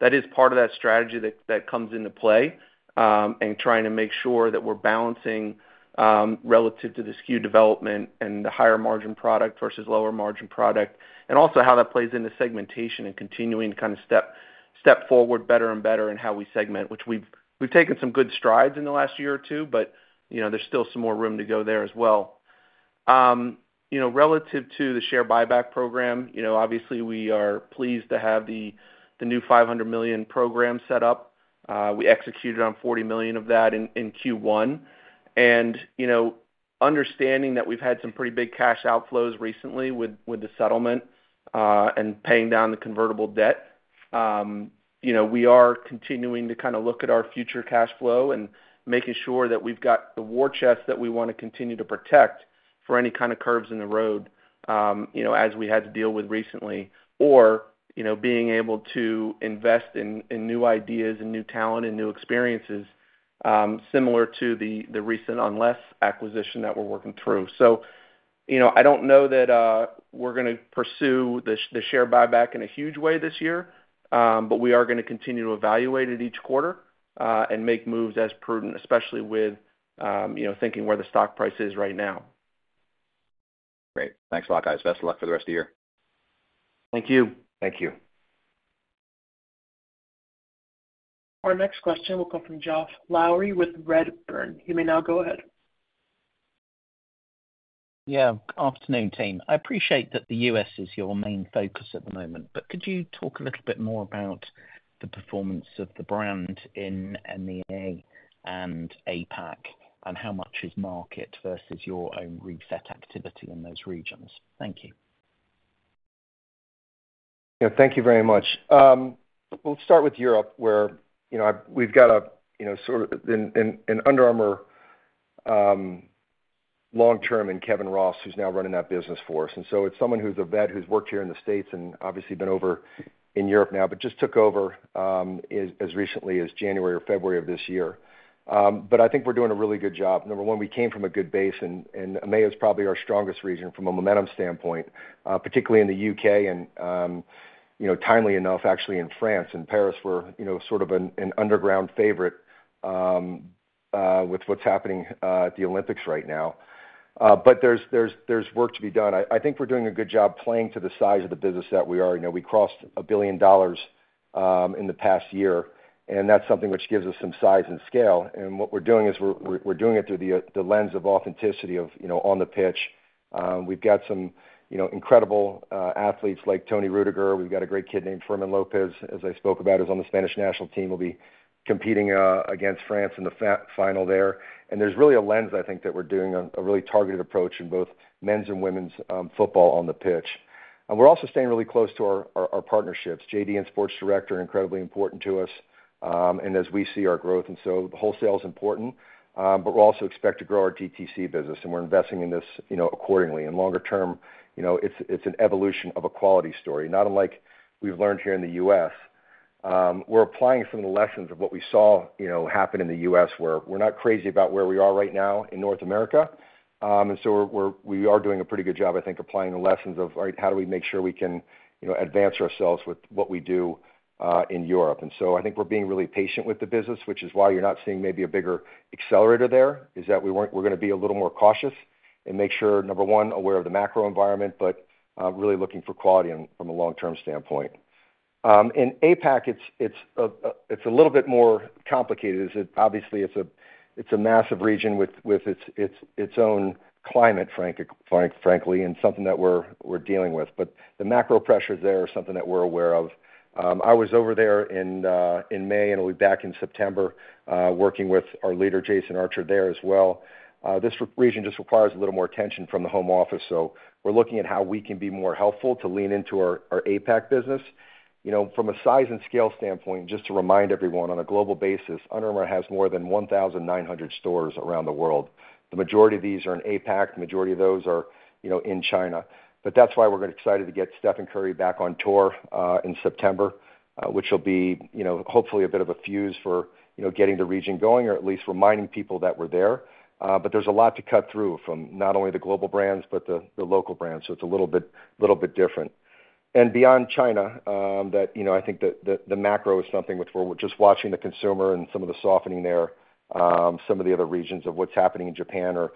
that is part of that strategy that, that comes into play, and trying to make sure that we're balancing, relative to the SKU development and the higher margin product versus lower margin product, and also how that plays into segmentation and continuing to kind of step, step forward better and better in how we segment, which we've, we've taken some good strides in the last year or two, but, you know, there's still some more room to go there as well. You know, relative to the share buyback program, you know, obviously, we are pleased to have the new $500 million program set up. We executed on $40 million of that in Q1. You know, understanding that we've had some pretty big cash outflows recently with the settlement, and paying down the convertible debt, you know, we are continuing to kind of look at our future cash flow and making sure that we've got the war chest that we wanna continue to protect for any kind of curves in the road, you know, as we had to deal with recently, or, you know, being able to invest in new ideas and new talent and new experiences, similar to the recent Unless acquisition that we're working through. You know, I don't know that we're gonna pursue the share buyback in a huge way this year, but we are gonna continue to evaluate it each quarter, and make moves as prudent, especially with, you know, thinking where the stock price is right now. Great. Thanks a lot, guys. Best of luck for the rest of the year. Thank you. Thank you. Our next question will come from Geoff Lowery with Redburn. You may now go ahead. Yeah. Afternoon, team. I appreciate that the U.S. is your main focus at the moment, but could you talk a little bit more about the performance of the brand in EMEA and APAC, and how much is market versus your own reset activity in those regions? Thank you. Yeah, thank you very much. We'll start with Europe, where, you know, we've got a you know sort of an Under Armour long-term in Kevin Ross, who's now running that business for us. And so it's someone who's a vet, who's worked here in the States and obviously been over in Europe now, but just took over as recently as January or February of this year. But I think we're doing a really good job. Number one, we came from a good base, and EMEA is probably our strongest region from a momentum standpoint, particularly in the UK and you know timely enough actually in France. In Paris, we're you know sort of an underground favorite with what's happening at the Olympics right now. But there's work to be done. I think we're doing a good job playing to the size of the business that we are. You know, we crossed $1 billion in the past year, and that's something which gives us some size and scale. And what we're doing is we're doing it through the lens of authenticity, of, you know, on the pitch. We've got some, you know, incredible athletes like Toni Rüdiger. We've got a great kid named Fermín López, as I spoke about, is on the Spanish national team, will be competing against France in the final there. And there's really a lens, I think, that we're doing a really targeted approach in both men's and women's football on the pitch. And we're also staying really close to our partnerships. JD and Sports Direct are incredibly important to us, and as we see our growth. So the wholesale is important, but we're also expect to grow our DTC business, and we're investing in this, you know, accordingly. Longer term, you know, it's an evolution of a quality story, not unlike we've learned here in the U.S. We're applying some of the lessons of what we saw, you know, happen in the U.S., where we're not crazy about where we are right now in North America. So we are doing a pretty good job, I think, applying the lessons of all right, how do we make sure we can, you know, advance ourselves with what we do in Europe? So I think we're being really patient with the business, which is why you're not seeing maybe a bigger accelerator there, is that we want, we're gonna be a little more cautious and make sure, number one, aware of the macro environment, but really looking for quality on from a long-term standpoint. In APAC, it's a little bit more complicated, obviously, it's a massive region with its own climate, frankly, and something that we're dealing with. But the macro pressures there are something that we're aware of. I was over there in May, and I'll be back in September, working with our leader, Jason Archer, there as well. This region just requires a little more attention from the home office, so we're looking at how we can be more helpful to lean into our, our APAC business. You know, from a size and scale standpoint, just to remind everyone, on a global basis, Under Armour has more than 1,900 stores around the world. The majority of these are in APAC. The majority of those are, you know, in China. But that's why we're excited to get Stephen Curry back on tour, in September, which will be, you know, hopefully a bit of a fuse for, you know, getting the region going, or at least reminding people that we're there. But there's a lot to cut through from not only the global brands, but the, the local brands, so it's a little bit, little bit different. Beyond China, you know, I think the macro is something which we're just watching the consumer and some of the softening there, some of the other regions of what's happening in Japan or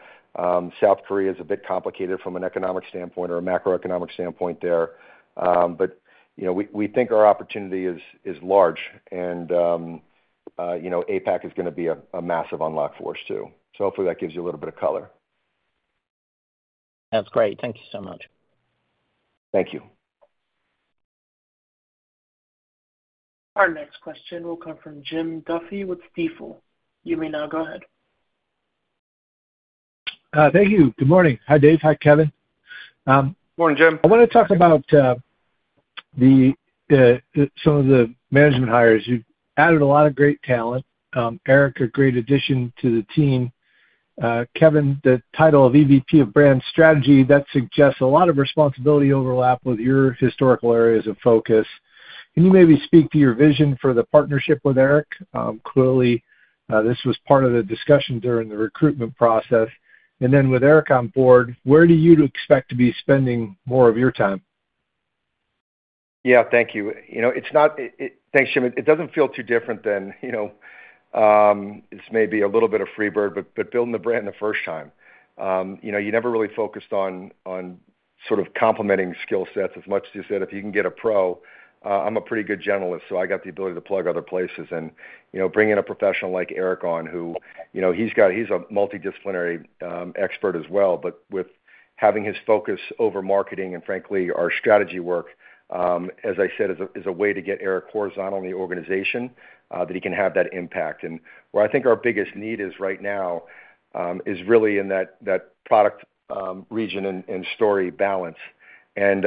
South Korea is a bit complicated from an economic standpoint or a macroeconomic standpoint there. But, you know, we think our opportunity is large, and you know, APAC is gonna be a massive unlock for us, too. Hopefully, that gives you a little bit of color. That's great. Thank you so much. Thank you. Our next question will come from Jim Duffy with Stifel. You may now go ahead. Thank you. Good morning. Hi, Dave. Hi, Kevin. Morning, Jim. I wanna talk about some of the management hires, you've added a lot of great talent. Eric, a great addition to the team. Kevin, the title of EVP of Brand Strategy, that suggests a lot of responsibility overlap with your historical areas of focus. Can you maybe speak to your vision for the partnership with Eric? Clearly, this was part of the discussion during the recruitment process. And then with Eric on board, where do you expect to be spending more of your time? Yeah, thank you. You know, it's not. Thanks, Jim. It doesn't feel too different than, you know, it's maybe a little bit of freebird, but building the brand the first time. You know, you never really focused on sort of complementing skill sets as much as you said, if you can get a pro. I'm a pretty good generalist, so I got the ability to plug other places and, you know, bring in a professional like Eric on, who, you know, he's a multidisciplinary expert as well. But with having his focus over marketing and frankly, our strategy work, as I said, is a way to get Eric horizontal in the organization, that he can have that impact. And where I think our biggest need is right now, is really in that product region and story balance. And,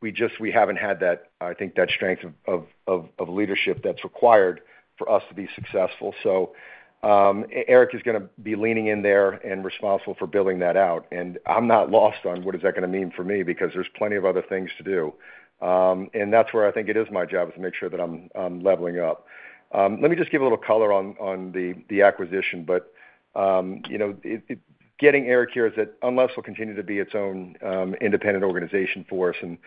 we just haven't had that, I think, that strength of leadership that's required for us to be successful. So, Eric is gonna be leaning in there and responsible for building that out, and I'm not lost on what is that gonna mean for me, because there's plenty of other things to do. And that's where I think it is my job, is to make sure that I'm leveling up. Let me just give a little color on the acquisition, but you know, it getting Eric here is that Unless will continue to be its own independent organization for us and,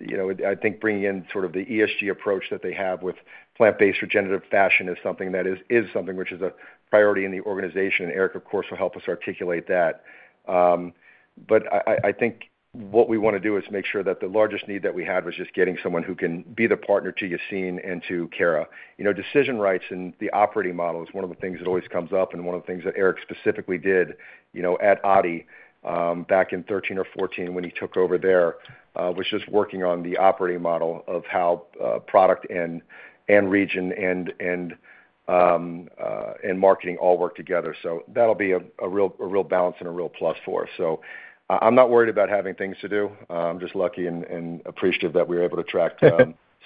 you know, I think bringing in sort of the ESG approach that they have with plant-based regenerative fashion is something which is a priority in the organization, and Eric, of course, will help us articulate that. But I think what we wanna do is make sure that the largest need that we had was just getting someone who can be the partner to Yassine and to Kara. You know, decision rights and the operating model is one of the things that always comes up, and one of the things that Eric specifically did, you know, at Adidas, back in 2013 or 2014, when he took over there, was just working on the operating model of how product and region and marketing all work together. So that'll be a real balance and a real plus for us. So I'm not worried about having things to do. I'm just lucky and appreciative that we were able to attract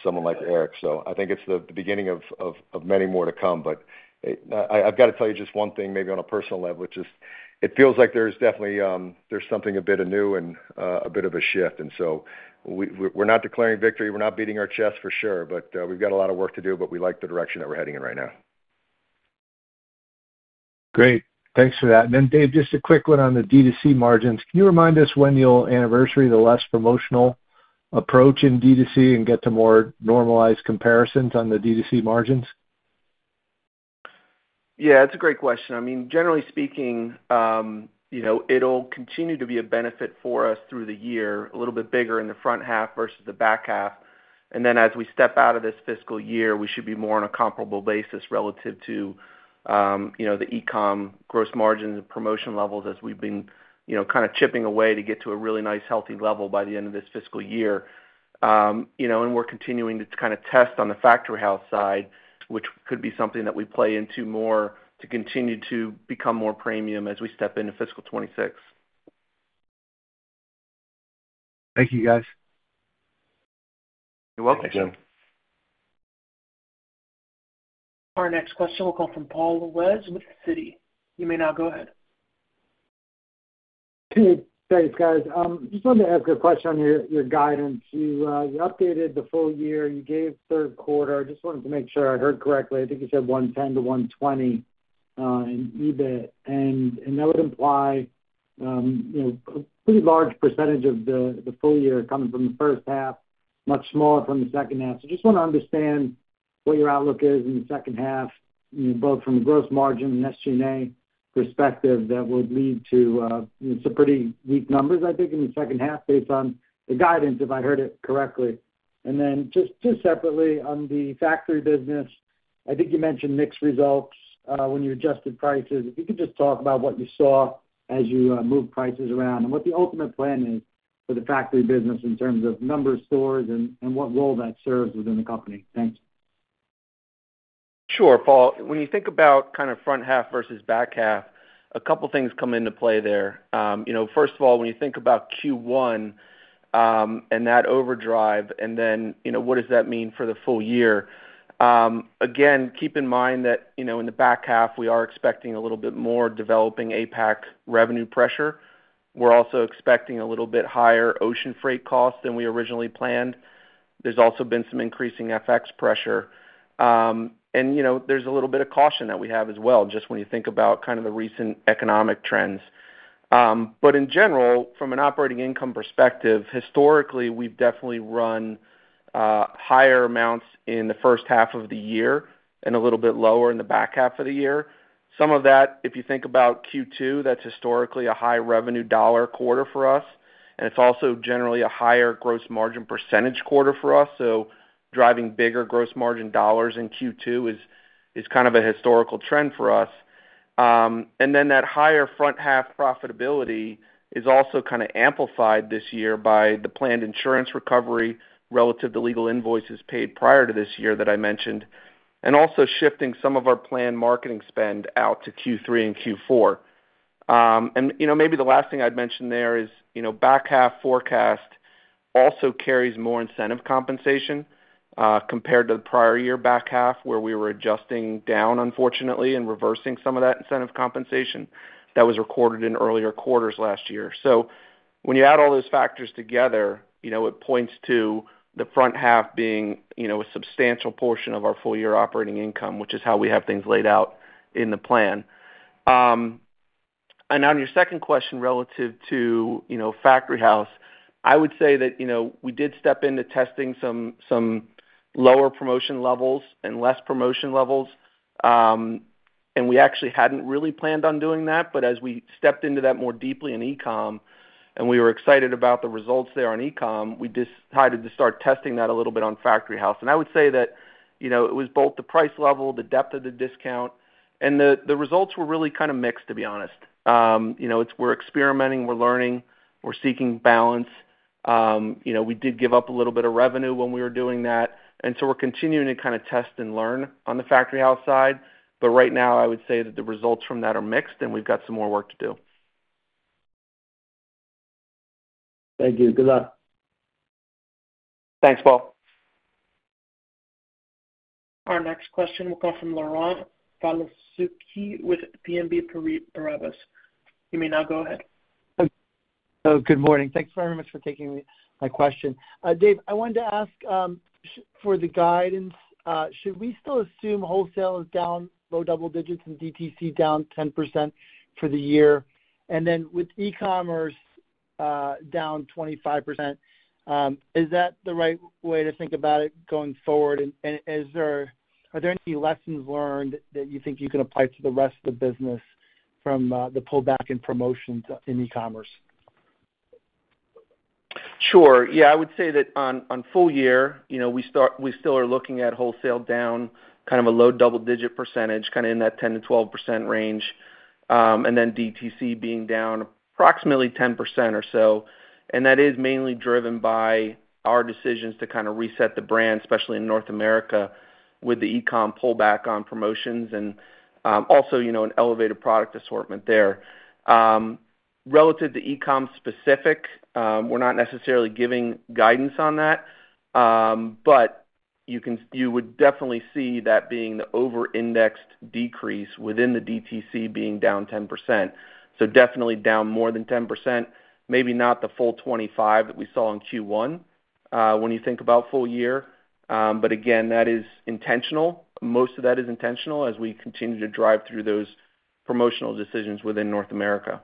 someone like Eric. So I think it's the beginning of many more to come. But, I've got to tell you just one thing, maybe on a personal level, which is, it feels like there's definitely something a bit new and a bit of a shift, and so we're not declaring victory, we're not beating our chests for sure, but we've got a lot of work to do, but we like the direction that we're heading in right now. Great. Thanks for that. And then, Dave, just a quick one on the D2C margins. Can you remind us when you'll anniversary the less promotional approach in D2C and get to more normalized comparisons on the D2C margins? Yeah, it's a great question. I mean, generally speaking, you know, it'll continue to be a benefit for us through the year, a little bit bigger in the front half versus the back half. And then as we step out of this fiscal year, we should be more on a comparable basis relative to, you know, the e-com gross margin and promotion levels as we've been, you know, kind of chipping away to get to a really nice, healthy level by the end of this fiscal year. You know, and we're continuing to kind of test on the factory house side, which could be something that we play into more to continue to become more premium as we step into fiscal 2026. Thank you, guys. You're welcome. Thanks, Jim. Our next question will come from Paul Lejuez with Citi. You may now go ahead. Hey, thanks, guys. Just wanted to ask a question on your guidance. You, you updated the full year, and you gave third quarter. I just wanted to make sure I heard correctly. I think you said $110 million-$120 million in EBIT, and that would imply, you know, a pretty large percentage of the full year coming from the first half, much smaller from the second half. So just wanna understand what your outlook is in the second half, both from a gross margin and SG&A perspective, that would lead to, some pretty weak numbers, I think, in the second half, based on the guidance, if I heard it correctly. And then just separately, on the factory business, I think you mentioned mixed results, when you adjusted prices. If you could just talk about what you saw as you moved prices around and what the ultimate plan is for the factory business in terms of number of stores and what role that serves within the company. Thanks. Sure, Paul. When you think about kind of front half versus back half, a couple things come into play there. You know, first of all, when you think about Q1, and that overdrive, and then, you know, what does that mean for the full year? Again, keep in mind that, you know, in the back half, we are expecting a little bit more developing APAC revenue pressure. We're also expecting a little bit higher ocean freight costs than we originally planned. There's also been some increasing FX pressure. And you know, there's a little bit of caution that we have as well, just when you think about kind of the recent economic trends. But in general, from an operating income perspective, historically, we've definitely run higher amounts in the first half of the year and a little bit lower in the back half of the year. Some of that, if you think about Q2, that's historically a high revenue dollar quarter for us, and it's also generally a higher gross margin percentage quarter for us. So driving bigger gross margin dollars in Q2 is kind of a historical trend for us. And then that higher front half profitability is also kind of amplified this year by the planned insurance recovery relative to legal invoices paid prior to this year that I mentioned, and also shifting some of our planned marketing spend out to Q3 and Q4. And, you know, maybe the last thing I'd mention there is, you know, back half forecast also carries more incentive compensation, compared to the prior year back half, where we were adjusting down, unfortunately, and reversing some of that incentive compensation that was recorded in earlier quarters last year. So when you add all those factors together, you know, it points to the front half being, you know, a substantial portion of our full year operating income, which is how we have things laid out in the plan. And on your second question, relative to, you know, Factory House, I would say that, you know, we did step into testing some lower promotion levels and less promotion levels. And we actually hadn't really planned on doing that, but as we stepped into that more deeply in e-com, and we were excited about the results there on e-com, we decided to start testing that a little bit on Factory House. And I would say that, you know, it was both the price level, the depth of the discount, and the results were really kind of mixed, to be honest. You know, it's we're experimenting, we're learning, we're seeking balance. You know, we did give up a little bit of revenue when we were doing that, and so we're continuing to kind of test and learn on the Factory House side. But right now, I would say that the results from that are mixed, and we've got some more work to do. Thank you. Good luck. Thanks, Paul. Our next question will come from Laurent Vasilescu with BNP Paribas. You may now go ahead. Oh, good morning. Thanks very much for taking my question. Dave, I wanted to ask for the guidance, should we still assume wholesale is down low double digits and DTC down 10% for the year? And then with e-commerce down 25%, is that the right way to think about it going forward? And are there any lessons learned that you think you can apply to the rest of the business from the pullback in promotions in e-commerce? Sure. Yeah, I would say that on full year, you know, we still are looking at wholesale down, kind of a low double digit percentage, kind of in that 10%-12% range, and then DTC being down approximately 10% or so. And that is mainly driven by our decisions to kind of reset the brand, especially in North America, with the e-com pullback on promotions and, also, you know, an elevated product assortment there. Relative to e-com specific, we're not necessarily giving guidance on that, but you would definitely see that being the over-indexed decrease within the DTC being down 10%. So definitely down more than 10%, maybe not the full 25 that we saw in Q1, when you think about full year. But again, that is intentional. Most of that is intentional as we continue to drive through those promotional decisions within North America.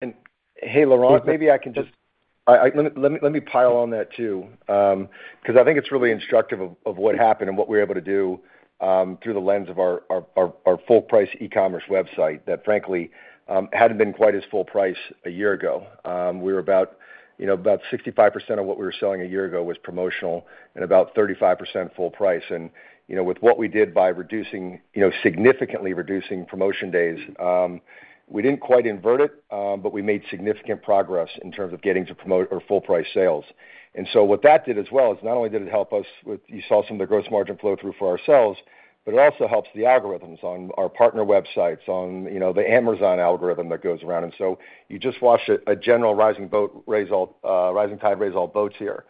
And hey, Laurent, maybe I can just let me pile on that, too. Because I think it's really instructive of what happened and what we're able to do through the lens of our full price e-commerce website, that frankly hadn't been quite as full price a year ago. We were about, you know, about 65% of what we were selling a year ago was promotional and about 35% full price. And, you know, with what we did by reducing, you know, significantly reducing promotion days, we didn't quite invert it, but we made significant progress in terms of getting to promote our full price sales. And so what that did as well is not only did it help us with. You saw some of the gross margin flow through for ourselves, but it also helps the algorithms on our partner websites, you know, the Amazon algorithm that goes around. And so you just watched a rising tide raise all boats here.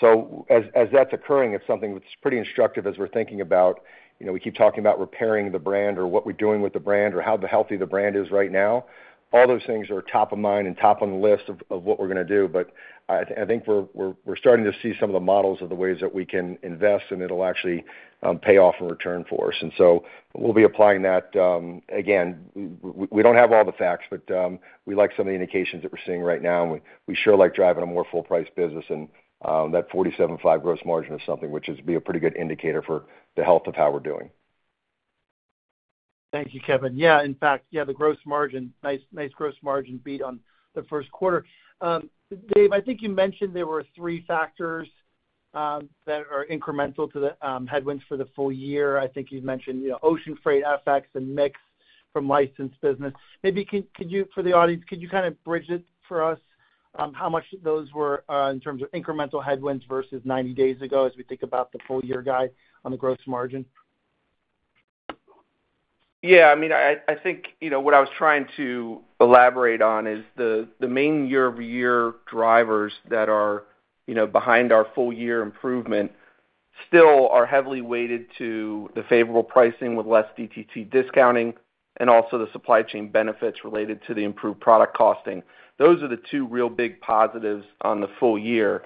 So as that's occurring, it's something that's pretty instructive as we're thinking about, you know, we keep talking about repairing the brand or what we're doing with the brand, or how healthy the brand is right now. All those things are top of mind and top on the list of what we're gonna do, but I think we're starting to see some of the models of the ways that we can invest, and it'll actually pay off in return for us. And so we'll be applying that. Again, we don't have all the facts, but we like some of the indications that we're seeing right now, and we sure like driving a more full price business and that 47.5 gross margin or something, which is a pretty good indicator for the health of how we're doing. Thank you, Kevin. Yeah, in fact, yeah, the gross margin, nice, nice gross margin beat on the first quarter. Dave, I think you mentioned there were three factors that are incremental to the headwinds for the full year. I think you've mentioned, you know, ocean freight effects and mix from licensed business. Maybe could you, for the audience, could you kind of bridge it for us, how much those were in terms of incremental headwinds versus 90 days ago, as we think about the full year guide on the gross margin? Yeah, I mean, I think, you know, what I was trying to elaborate on is the main year-over-year drivers that are, you know, behind our full year improvement, still are heavily weighted to the favorable pricing with less DTC discounting and also the supply chain benefits related to the improved product costing. Those are the two real big positives on the full year.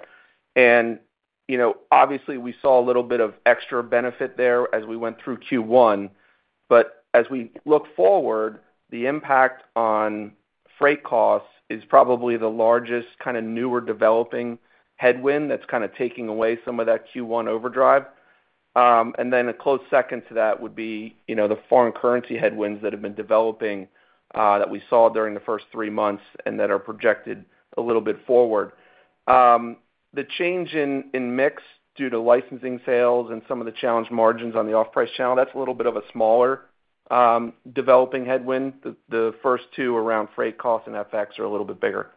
And, you know, obviously, we saw a little bit of extra benefit there as we went through Q1. But as we look forward, the impact on freight costs is probably the largest, kind of, newer developing headwind that's kind of taking away some of that Q1 overdrive. And then a close second to that would be, you know, the foreign currency headwinds that have been developing, that we saw during the first three months and that are projected a little bit forward. The change in mix, due to licensing sales and some of the challenged margins on the off-price channel, that's a little bit of a smaller developing headwind. The first two around freight costs and FX are a little bit bigger.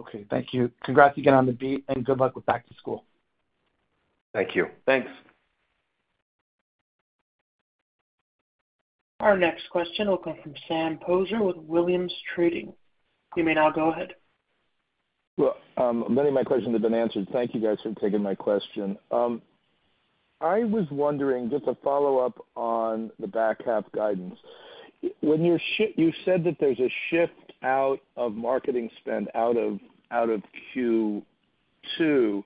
Okay, thank you. Congrats again on the beat, and good luck with back to school. Thank you. Thanks! Our next question will come from Sam Poser with Williams Trading. You may now go ahead. Well, many of my questions have been answered. Thank you guys for taking my question. I was wondering, just a follow-up on the back half guidance. When you said that there's a shift out of marketing spend out of, out of Q2.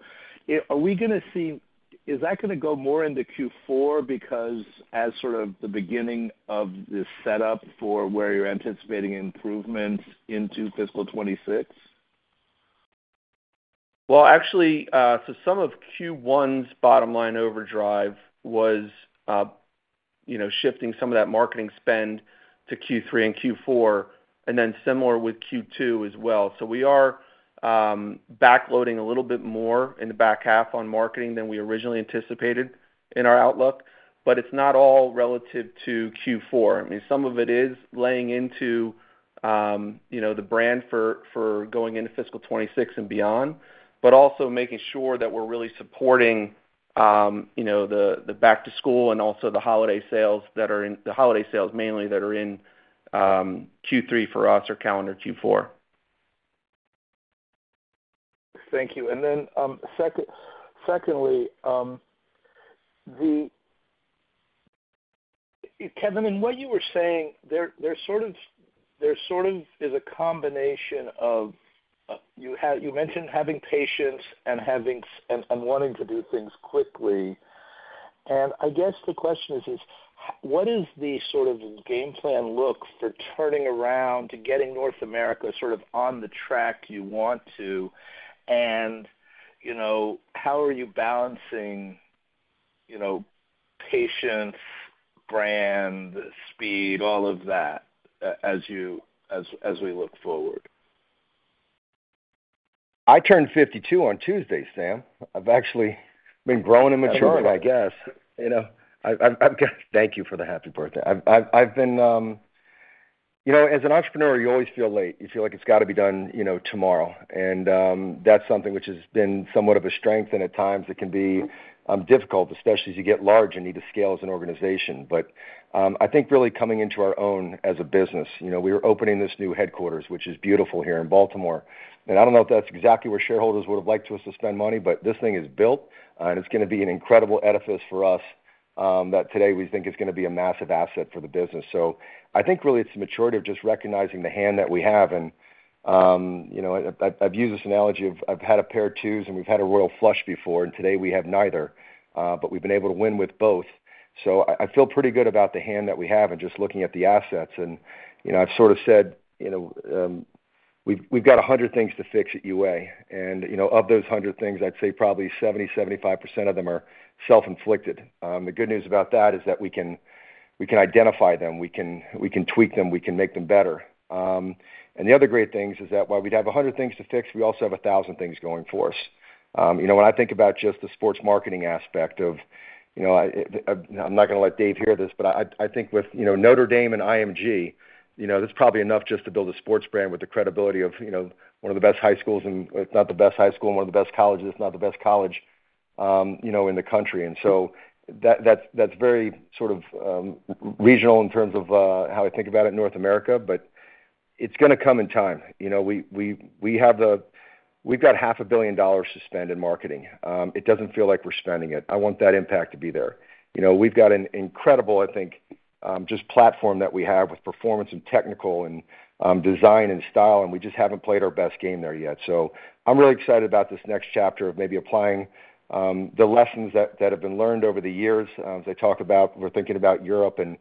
Are we gonna see? Is that gonna go more into Q4 because as sort of the beginning of this setup for where you're anticipating improvements into fiscal 2026? Well, actually, so some of Q1's bottom line overdrive was, you know, shifting some of that marketing spend to Q3 and Q4, and then similar with Q2 as well. So we are backloading a little bit more in the back half on marketing than we originally anticipated in our outlook, but it's not all relative to Q4. I mean, some of it is laying into, you know, the brand for going into fiscal 2026 and beyond, but also making sure that we're really supporting, you know, the back to school and also the holiday sales that are in the holiday sales, mainly, that are in Q3 for us or calendar Q4. Thank you. And then, second, secondly, the... Kevin, in what you were saying, there, there sort of, there sort of is a combination of, you had you mentioned having patience and having, and, and wanting to do things quickly. And I guess the question is, is: what does the sort of game plan look for turning around to getting North America sort of on the track you want to? And, you know, how are you balancing, you know, patience, brand, speed, all of that, as you, as, as we look forward? I turned 52 on Tuesday, Sam. I've actually been growing and maturing, I guess. You know, thank you for the happy birthday. I've been. You know, as an entrepreneur, you always feel late. You feel like it's got to be done, you know, tomorrow. That's something which has been somewhat of a strength, and at times it can be difficult, especially as you get large and need to scale as an organization. But I think really coming into our own as a business. You know, we are opening this new headquarters, which is beautiful, here in Baltimore. I don't know if that's exactly where shareholders would have liked us to spend money, but this thing is built, and it's gonna be an incredible edifice for us, that today we think is gonna be a massive asset for the business. So I think really it's the maturity of just recognizing the hand that we have. You know, I've used this analogy of I've had a pair of twos and we've had a royal flush before, and today we have neither, but we've been able to win with both. So I feel pretty good about the hand that we have and just looking at the assets and, you know, I've sort of said, you know, we've got 100 things to fix at UA. You know, of those 100 things, I'd say probably 70%-75% of them are self-inflicted. The good news about that is that we can, we can identify them, we can, we can tweak them, we can make them better. The other great things is that while we'd have 100 things to fix, we also have 1,000 things going for us. You know, when I think about just the sports marketing aspect of, you know, I, I'm not gonna let Dave hear this, but I, I think with, you know, Notre Dame and IMG, you know, that's probably enough just to build a sports brand with the credibility of, you know, one of the best high schools, and if not the best high school, and one of the best colleges, if not the best college, you know, in the country. And so that's very sort of regional in terms of how I think about it in North America, but it's gonna come in time. You know, we've got $500 million to spend in marketing. It doesn't feel like we're spending it. I want that impact to be there. You know, we've got an incredible, I think, just platform that we have with performance and technical and design and style, and we just haven't played our best game there yet. So I'm really excited about this next chapter of maybe applying the lessons that have been learned over the years. As I talk about, we're thinking about Europe and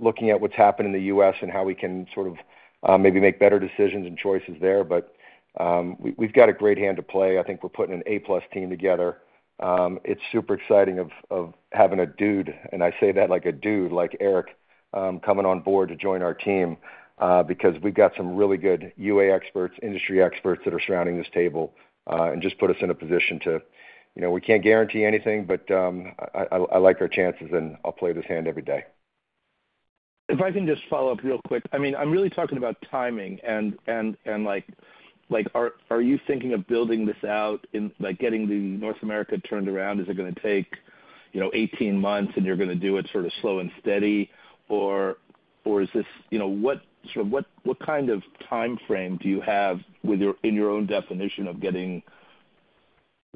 looking at what's happened in the U.S. and how we can sort of maybe make better decisions and choices there. But, we've got a great hand to play. I think we're putting an A-plus team together. It's super exciting of having a dude, and I say that like a dude, like Eric, coming on board to join our team, because we've got some really good UA experts, industry experts that are surrounding this table, and just put us in a position to, you know, we can't guarantee anything, but, I like our chances, and I'll play this hand every day. If I can just follow up real quick. I mean, I'm really talking about timing and, and like, are you thinking of building this out in, like, getting the North America turned around? Is it gonna take, you know, 18 months, and you're gonna do it sort of slow and steady? Or, or is this. You know, what, sort of what, what kind of timeframe do you have with your, in your own definition of getting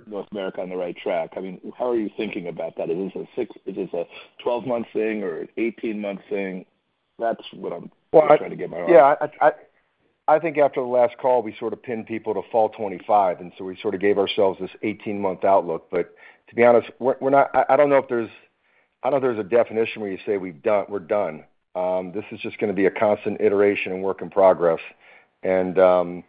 North America on the right track? I mean, how are you thinking about that? Is it a six, is it a 12-month thing or an 18-month thing? That's what I'm- Well- trying to get my arms around. Yeah, I think after the last call, we sort of pinned people to Fall 2025, and so we sort of gave ourselves this 18-month outlook. But to be honest, we're not -I don't know if there's a definition where you say we've done, we're done. This is just gonna be a constant iteration and work in progress. And, you know,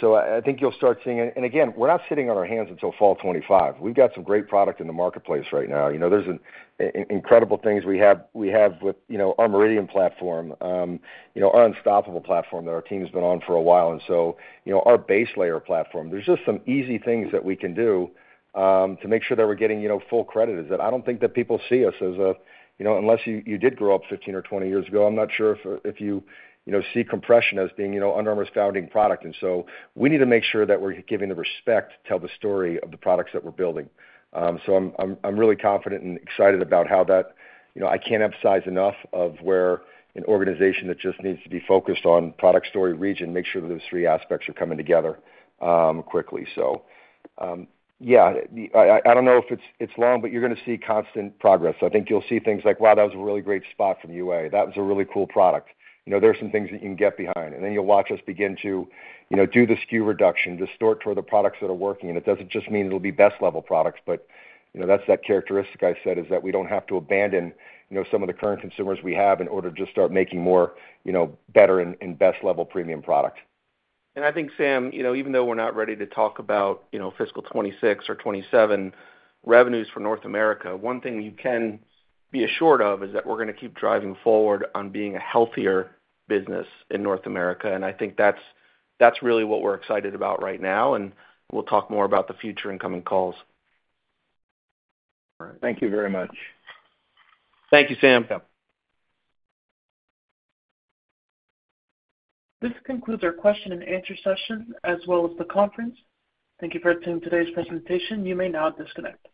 so I think you'll start seeing it. And again, we're not sitting on our hands until Fall 2025. We've got some great product in the marketplace right now. You know, there's an incredible things we have with, you know, our Meridian platform, you know, our Unstoppable platform that our team's been on for a while. And so, you know, our base layer platform. There's just some easy things that we can do to make sure that we're getting, you know, full credit. I think that I don't think that people see us as a, you know, unless you did grow up 15 or 20 years ago, I'm not sure if you, you know, see compression as being, you know, Under Armour's founding product. And so we need to make sure that we're giving the respect to tell the story of the products that we're building. So I'm really confident and excited about how that. You know, I can't emphasize enough of where an organization that just needs to be focused on product, story, region, make sure that those three aspects are coming together quickly. So, yeah, I don't know if it's long, but you're gonna see constant progress. I think you'll see things like, "Wow, that was a really great spot from UA. That was a really cool product." You know, there are some things that you can get behind, and then you'll watch us begin to, you know, do the SKU reduction, distort toward the products that are working. And it doesn't just mean it'll be best-level products, but, you know, that's that characteristic I said, is that we don't have to abandon, you know, some of the current consumers we have in order to just start making more, you know, better and, and best-level premium product. I think, Sam, you know, even though we're not ready to talk about, you know, fiscal 2026 or 2027 revenues for North America, one thing you can be assured of is that we're gonna keep driving forward on being a healthier business in North America. I think that's, that's really what we're excited about right now, and we'll talk more about the future in coming calls. All right. Thank you very much. Thank you, Sam. Yep. This concludes our question and answer session as well as the conference. Thank you for attending today's presentation. You may now disconnect.